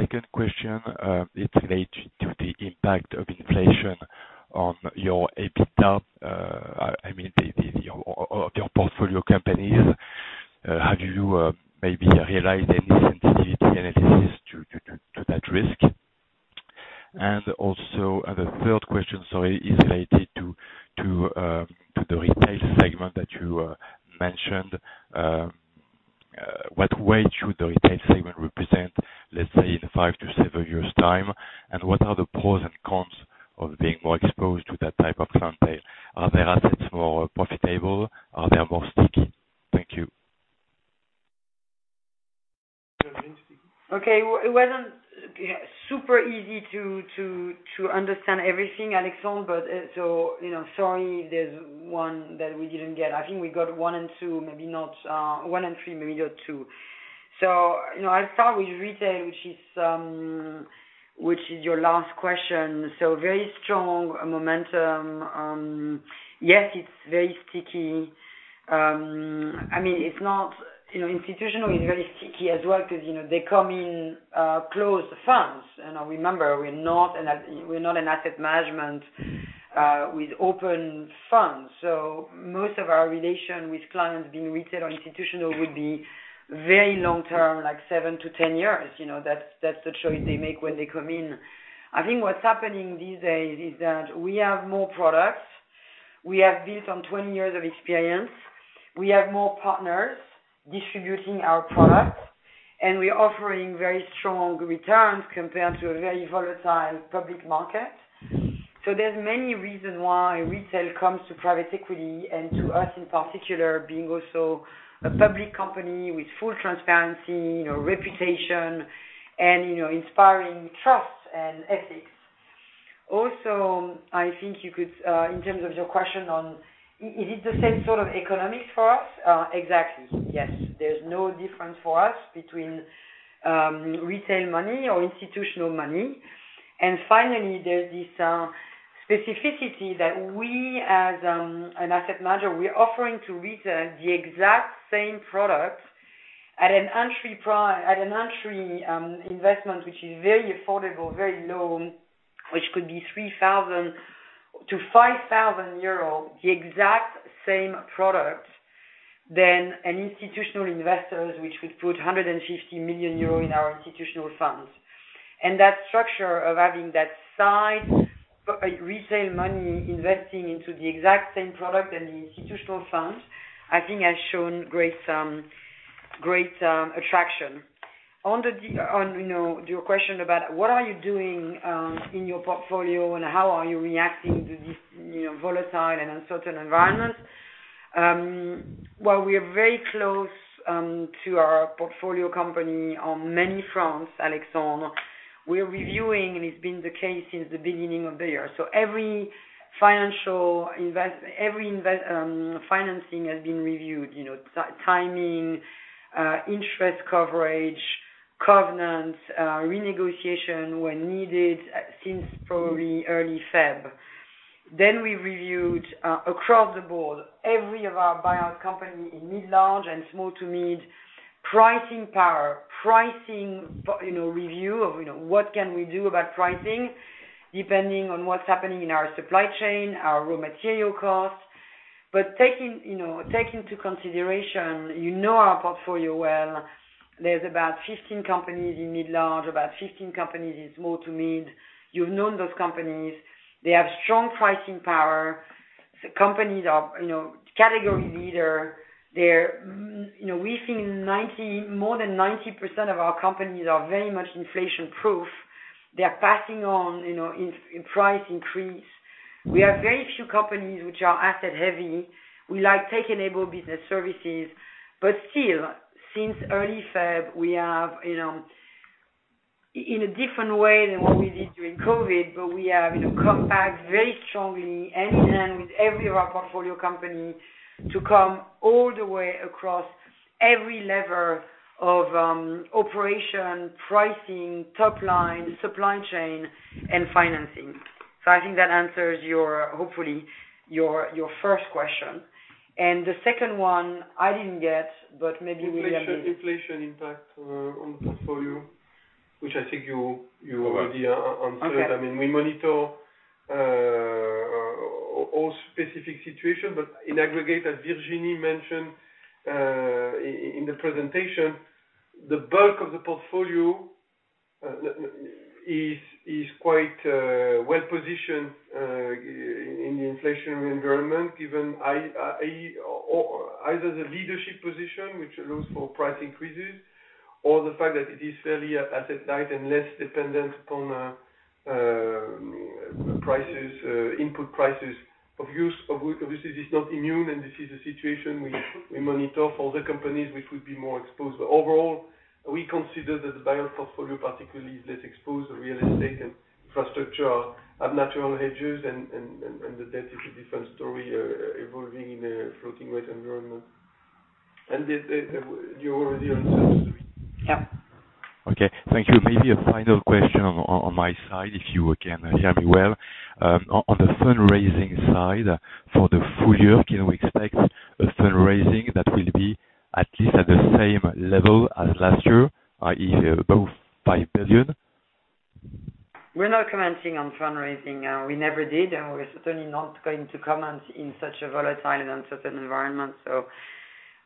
Second question, it's related to the impact of inflation on your EBITDA. I mean, the EBITDA of your portfolio companies. Have you maybe realized any sensitivity analysis to that risk? Also, the third question, sorry, is related to the retail segment that you mentioned. What weight should the retail segment represent, let's say in five to seven years time? What are the pros and cons of being more exposed to that type of retail? Are their assets more profitable? Are they more sticky? Thank you. It wasn't super easy to understand everything Alexandre, but you know, sorry, there's one that we didn't get. I think we got one and two, maybe not one and three, maybe got two. I'll start with retail, which is your last question. Very strong momentum. Yes, it's very sticky. I mean, it's not, you know, institutional is very sticky as well 'cause you know, they come in closed funds. Now remember, we're not an asset management with open funds. Most of our relation with clients being retail or institutional would be very long-term, like 7-10 years. You know, that's the choice they make when they come in. I think what's happening these days is that we have more products. We have built on 20 years of experience. We have more partners distributing our products, and we're offering very strong returns compared to a very volatile public market. There's many reasons why retail comes to private equity and to us in particular, being also a public company with full transparency, you know, reputation and, you know, inspiring trust and ethics. Also, I think you could, in terms of your question on is it the same sort of economics for us? Exactly, yes. There's no difference for us between retail money or institutional money. Finally, there's this specificity that we as an asset manager, we're offering to retail the exact same product at an entry investment, which is very affordable, very low, which could be 3,000-5,000 euros, the exact same product than an institutional investors which would put 150 million euro in our institutional funds. That structure of having that size retail money investing into the exact same product and the institutional funds, I think has shown great attraction. On, you know, your question about what are you doing in your portfolio and how are you reacting to this, you know, volatile and uncertain environment. Well, we are very close to our portfolio company on many fronts, Alexandre. We are reviewing, and it's been the case since the beginning of the year. Every financing has been reviewed, you know, timing, interest coverage, covenants, renegotiation when needed, since probably early February. We reviewed across the board every of our buyout company in mid-large and small to mid pricing power. Pricing, you know, review of, you know, what can we do about pricing depending on what's happening in our supply chain, our raw material costs. Taking into consideration, you know our portfolio well. There's about 15 companies in mid-large, about 15 companies in small to mid. You've known those companies. They have strong pricing power. The companies are, you know, category leader. You know, we've seen more than 90% of our companies are very much inflation-proof. They are passing on, you know, price increases. We have very few companies which are asset heavy. We like tech-enabled business services. But still, since early February, we have, you know, in a different way than what we did during COVID, but we have, you know, come back very strongly end-to-end with every of our portfolio company to come all the way across every level of operation, pricing, top line, supply chain and financing. I think that answers your, hopefully, your first question. The second one I didn't get, but maybe William can - Inflation impact on portfolio, which I think you already answered. Okay. I mean, we monitor all specific situation, but in aggregate, as Virginie mentioned, in the presentation, the bulk of the portfolio is quite well positioned in the inflationary environment, given either the leadership position which allows for price increases or the fact that it is fairly asset light and less dependent on prices, input prices of use. Obviously, it's not immune, and this is a situation we monitor for the companies which would be more exposed. Overall, we consider that the buyout portfolio particularly is less exposed to real estate and infrastructure have natural hedges, and the debt is a different story, evolving in a floating rate environment. You already answered. Yeah. Okay. Thank you. Maybe a final question on my side, if you can hear me well. On the fundraising side for the full year, can we expect a fundraising that will be at least at the same level as last year, easily above 5 billion? We're not commenting on fundraising. We never did, and we're certainly not going to comment in such a volatile and uncertain environment.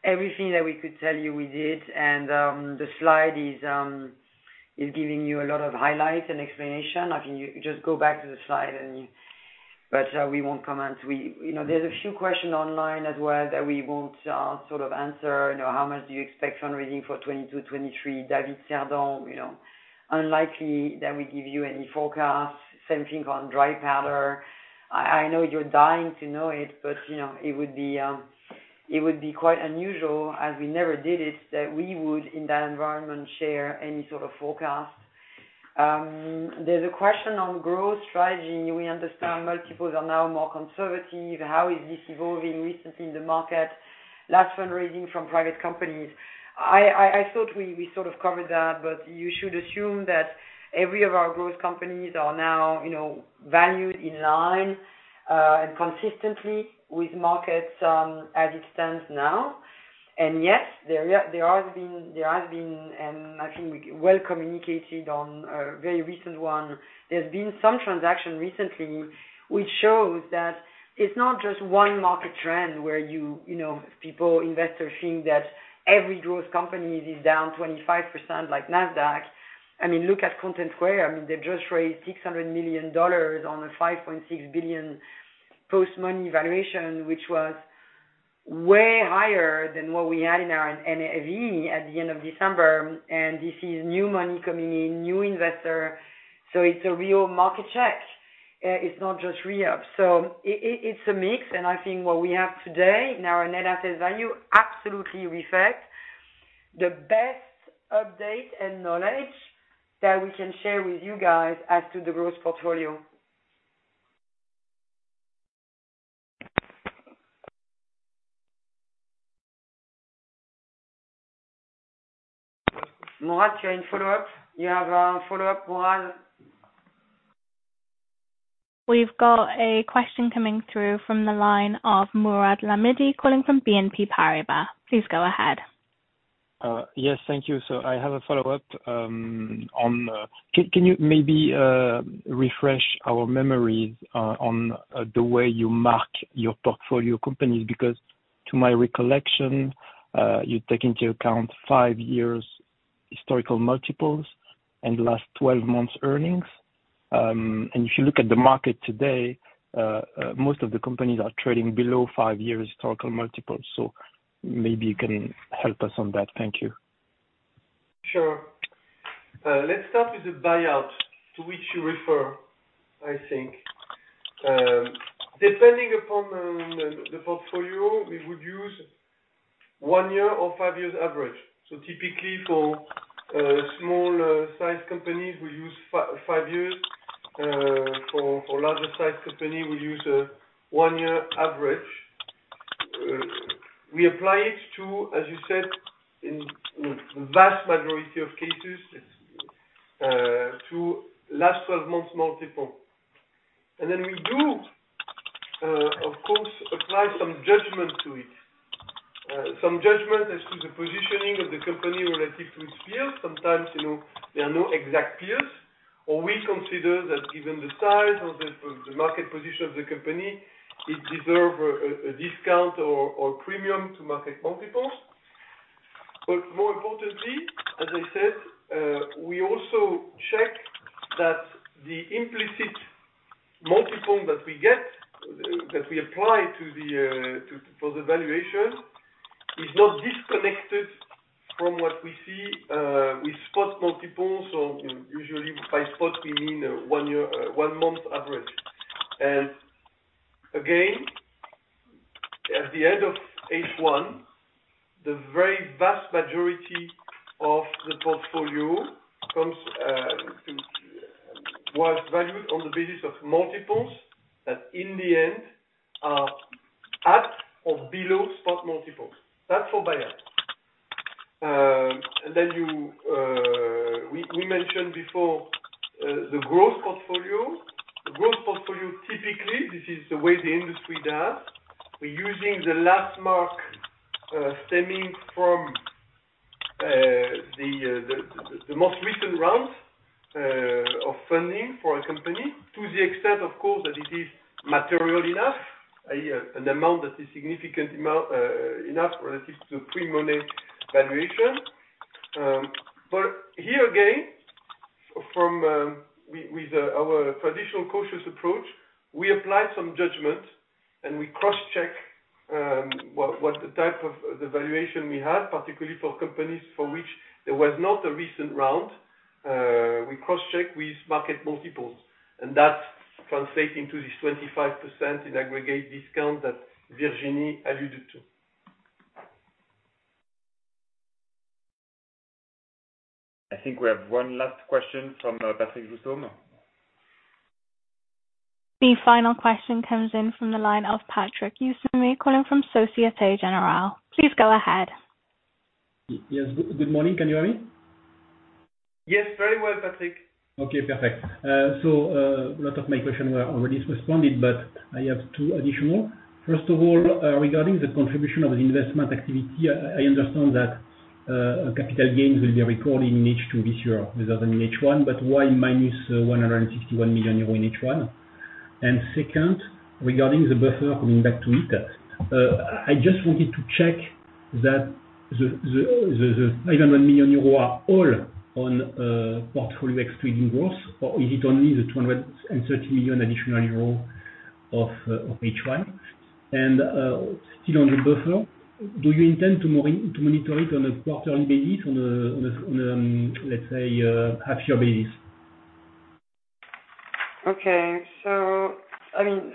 Everything that we could tell you, we did. The slide is giving you a lot of highlights and explanation. You just go back to the slide and we won't comment. You know, there's a few questions online as well that we won't sort of answer. You know, how much do you expect fundraising for 2022, 2023? David Cerdan, you know, unlikely that we give you any forecast. Same thing on Dry Powder. I know you're dying to know it, but you know, it would be quite unusual, as we never did it, that we would, in that environment, share any sort of forecast. There's a question on growth strategy. We understand multiples are now more conservative. How is this evolving recently in the market? Last fundraising from private companies. I thought we sort of covered that, but you should assume that every of our growth companies are now, you know, valued in line, and consistently with markets, as it stands now. Yes, there has been, I think well communicated on a very recent one. There's been some transaction recently which shows that it's not just one market trend where you know, people, investors think that every growth company is down 25% like Nasdaq. I mean, look at ContentSquare. I mean, they just raised $600 million on a $5.6 billion post-money valuation, which was way higher than what we had in our NAV at the end of December. This is new money coming in, new investor. It's a real market check. It's not just re-up. It's a mix, and I think what we have today in our net asset value absolutely reflect the best update and knowledge that we can share with you guys as to the growth portfolio. Mourad, you have a follow up? We've got a question coming through from the line of Mourad Lahmidi, calling from BNP Paribas. Please go ahead. Yes, thank you. I have a follow-up on can you maybe refresh our memory on the way you mark your portfolio companies? Because to my recollection, you take into account five years historical multiples and last 12 months earnings. If you look at the market today, most of the companies are trading below five years historical multiples. Maybe you can help us on that. Thank you. Sure. Let's start with the buyout to which you refer, I think. Depending upon the portfolio, we would use one year or five years average. Typically for small size companies, we use five years. For larger size company, we use one year average. We apply it to, as you said, in vast majority of cases, to last 12 months multiple. We do, of course, apply some judgment to it. Some judgment as to the positioning of the company relative to its peers. Sometimes, you know, there are no exact peers, or we consider that given the size of the market position of the company, it deserve a discount or premium to market multiples. More importantly, as I said, we also check that the implicit multiple that we get, that we apply to the for the valuation, is not disconnected from what we see with spot multiples. Usually by spot we mean one-year one-month average. Again, at the end of H1, the very vast majority of the portfolio was valued on the basis of multiples that in the end are at or below spot multiples. That's for buyouts. Then we mentioned before the growth portfolio. The growth portfolio, typically, this is the way the industry does. We're using the last mark stemming from the most recent rounds of funding for a company to the extent of course that it is material enough, a significant amount enough relative to pre-money valuation. But here again, with our traditional cautious approach, we apply some judgment and we cross-check what type of valuation we have, particularly for companies for which there was not a recent round. We cross-check with market multiples, and that's translating to this 25% in aggregate discount that Virginie alluded to. I think we have one last question from Patrick Jousseaume. The final question comes in from the line of Patrick Jousseaume, calling from Société Générale. Please go ahead. Yes, good morning. Can you hear me? Yes, very well, Patrick. Okay, perfect. A lot of my questions were already responded, but I have two additional. First of all, regarding the contribution of the investment activity, I understand that capital gains will be recorded in H2 this year rather than H1, but why -151 million euro in H1? Second, regarding the buffer coming back to equity, I just wanted to check that the 500 million euro are all on portfolio excluding growth, or is it only the additional 230 million euro of H1? Still on the buffer, do you intend to monitor it on a quarterly basis, on a half-year basis? Okay. I mean,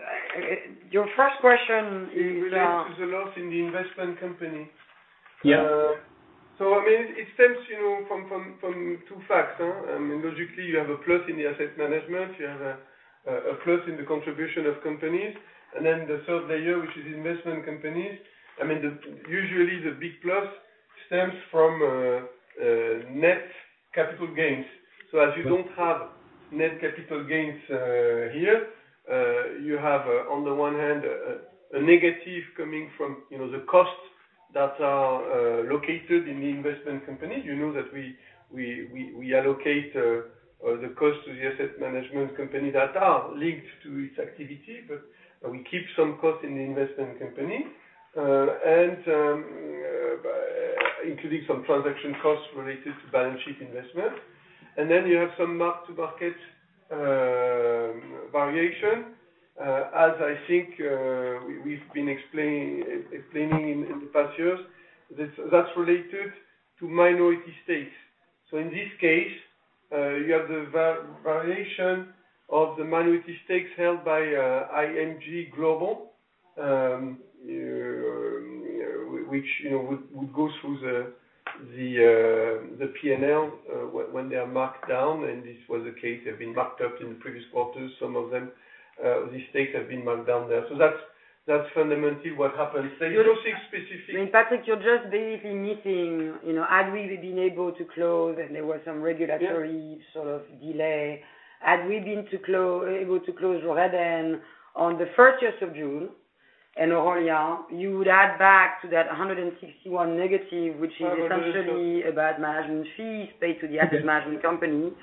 your first question is related to the loss in the investment company. Yeah. I mean it stems, you know, from two facts. I mean, logically, you have a plus in the asset management. You have a plus in the contribution of companies. Then the third layer, which is investment companies, I mean, the usual big plus stems from net capital gains. As you don't have net capital gains here, you have, on the one hand, a negative coming from, you know, the costs that are located in the investment company. You know that we allocate the cost to the asset management company that are linked to its activity, but we keep some cost in the investment company, including some transaction costs related to balance sheet investment. Then you have some mark-to-market variation. As I think, we've been explaining in the past years, that's related to minority stakes. In this case, you have the variation of the minority stakes held by ING Global, which, you know, would go through the P&L when they are marked down, and this was the case, they've been marked up in the previous quarters, some of them. The stakes have been marked down there. That's fundamentally what happened. You don't see specific I mean Patrick, you're just basically missing, you know, had we been able to close, and there were some regulatory sort of delay. Had we been able to close Reden on the first half of June, and Aroma-Zone, you would add back to that -161, which is essentially a base management fee paid to the asset management company,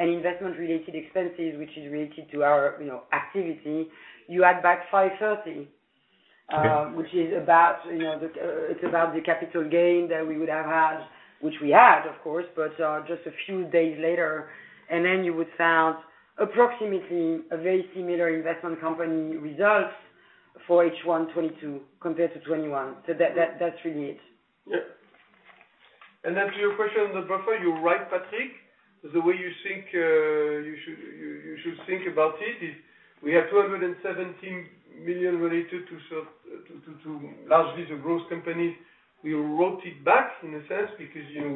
and investment-related expenses, which is related to our, you know, activity. You add back 530 which is about, you know, It's about the capital gain that we would have had, which we had, of course, but just a few days later. Then you would find approximately a very similar investment company results for H1 2022 compared to 2021. That's really it. Yeah. Then to your question on the buffer, you're right, Patrick. The way you think, you should think about it is we have 217 million related to, sort of, to largely the growth companies. We wrote it back in a sense because, you know,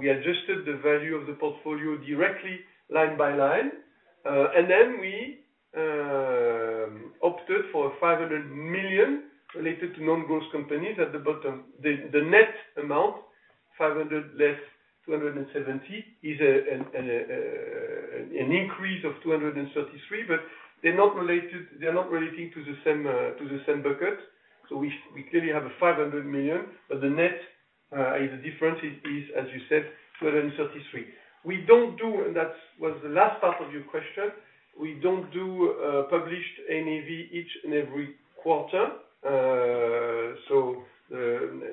we adjusted the value of the portfolio directly line by line. Then we opted for 500 million related to non-growth companies at the bottom. The net amount, 500 less 270, is an increase of 233, but they're not related, they're not relating to the same bucket. We clearly have a 500 million, but the net is the difference is, as you said, 233. That was the last part of your question. We don't do published NAV each and every quarter.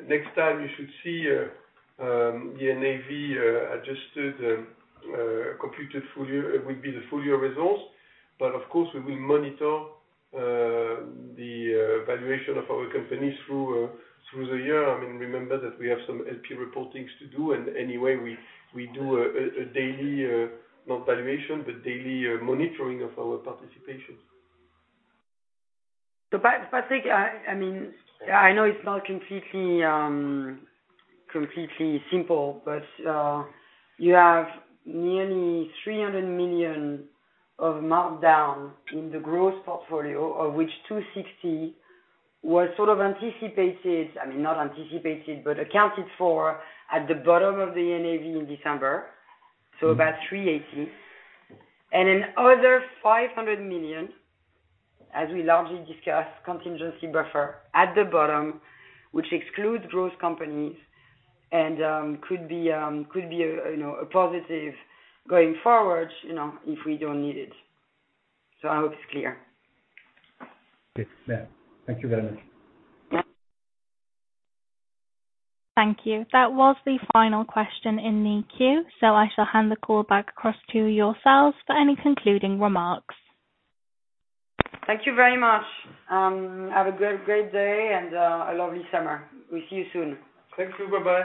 Next time you should see the NAV adjusted computed full year. It would be the full year results. Of course, we will monitor the valuation of our companies through the year. I mean, remember that we have some LP reportings to do, and anyway we do a daily not valuation, but daily monitoring of our participation. Patrick, I mean I know it's not completely simple, but you have nearly 300 million of markdown in the growth portfolio, of which 260 million was sort of anticipated. I mean, not anticipated, but accounted for at the bottom of the NAV in December, so about 380. The other 500 million, as we largely discussed, contingency buffer at the bottom, which excludes growth companies and could be a positive going forward, you know, if we don't need it. I hope it's clear. Yes. Yeah. Thank you very much. Thank you. That was the final question in the queue, so I shall hand the call back across to yourselves for any concluding remarks. Thank you very much. Have a great day and a lovely summer. We'll see you soon. Thank you. Bye-bye.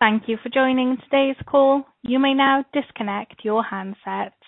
Thank you for joining today's call. You may now disconnect your handsets.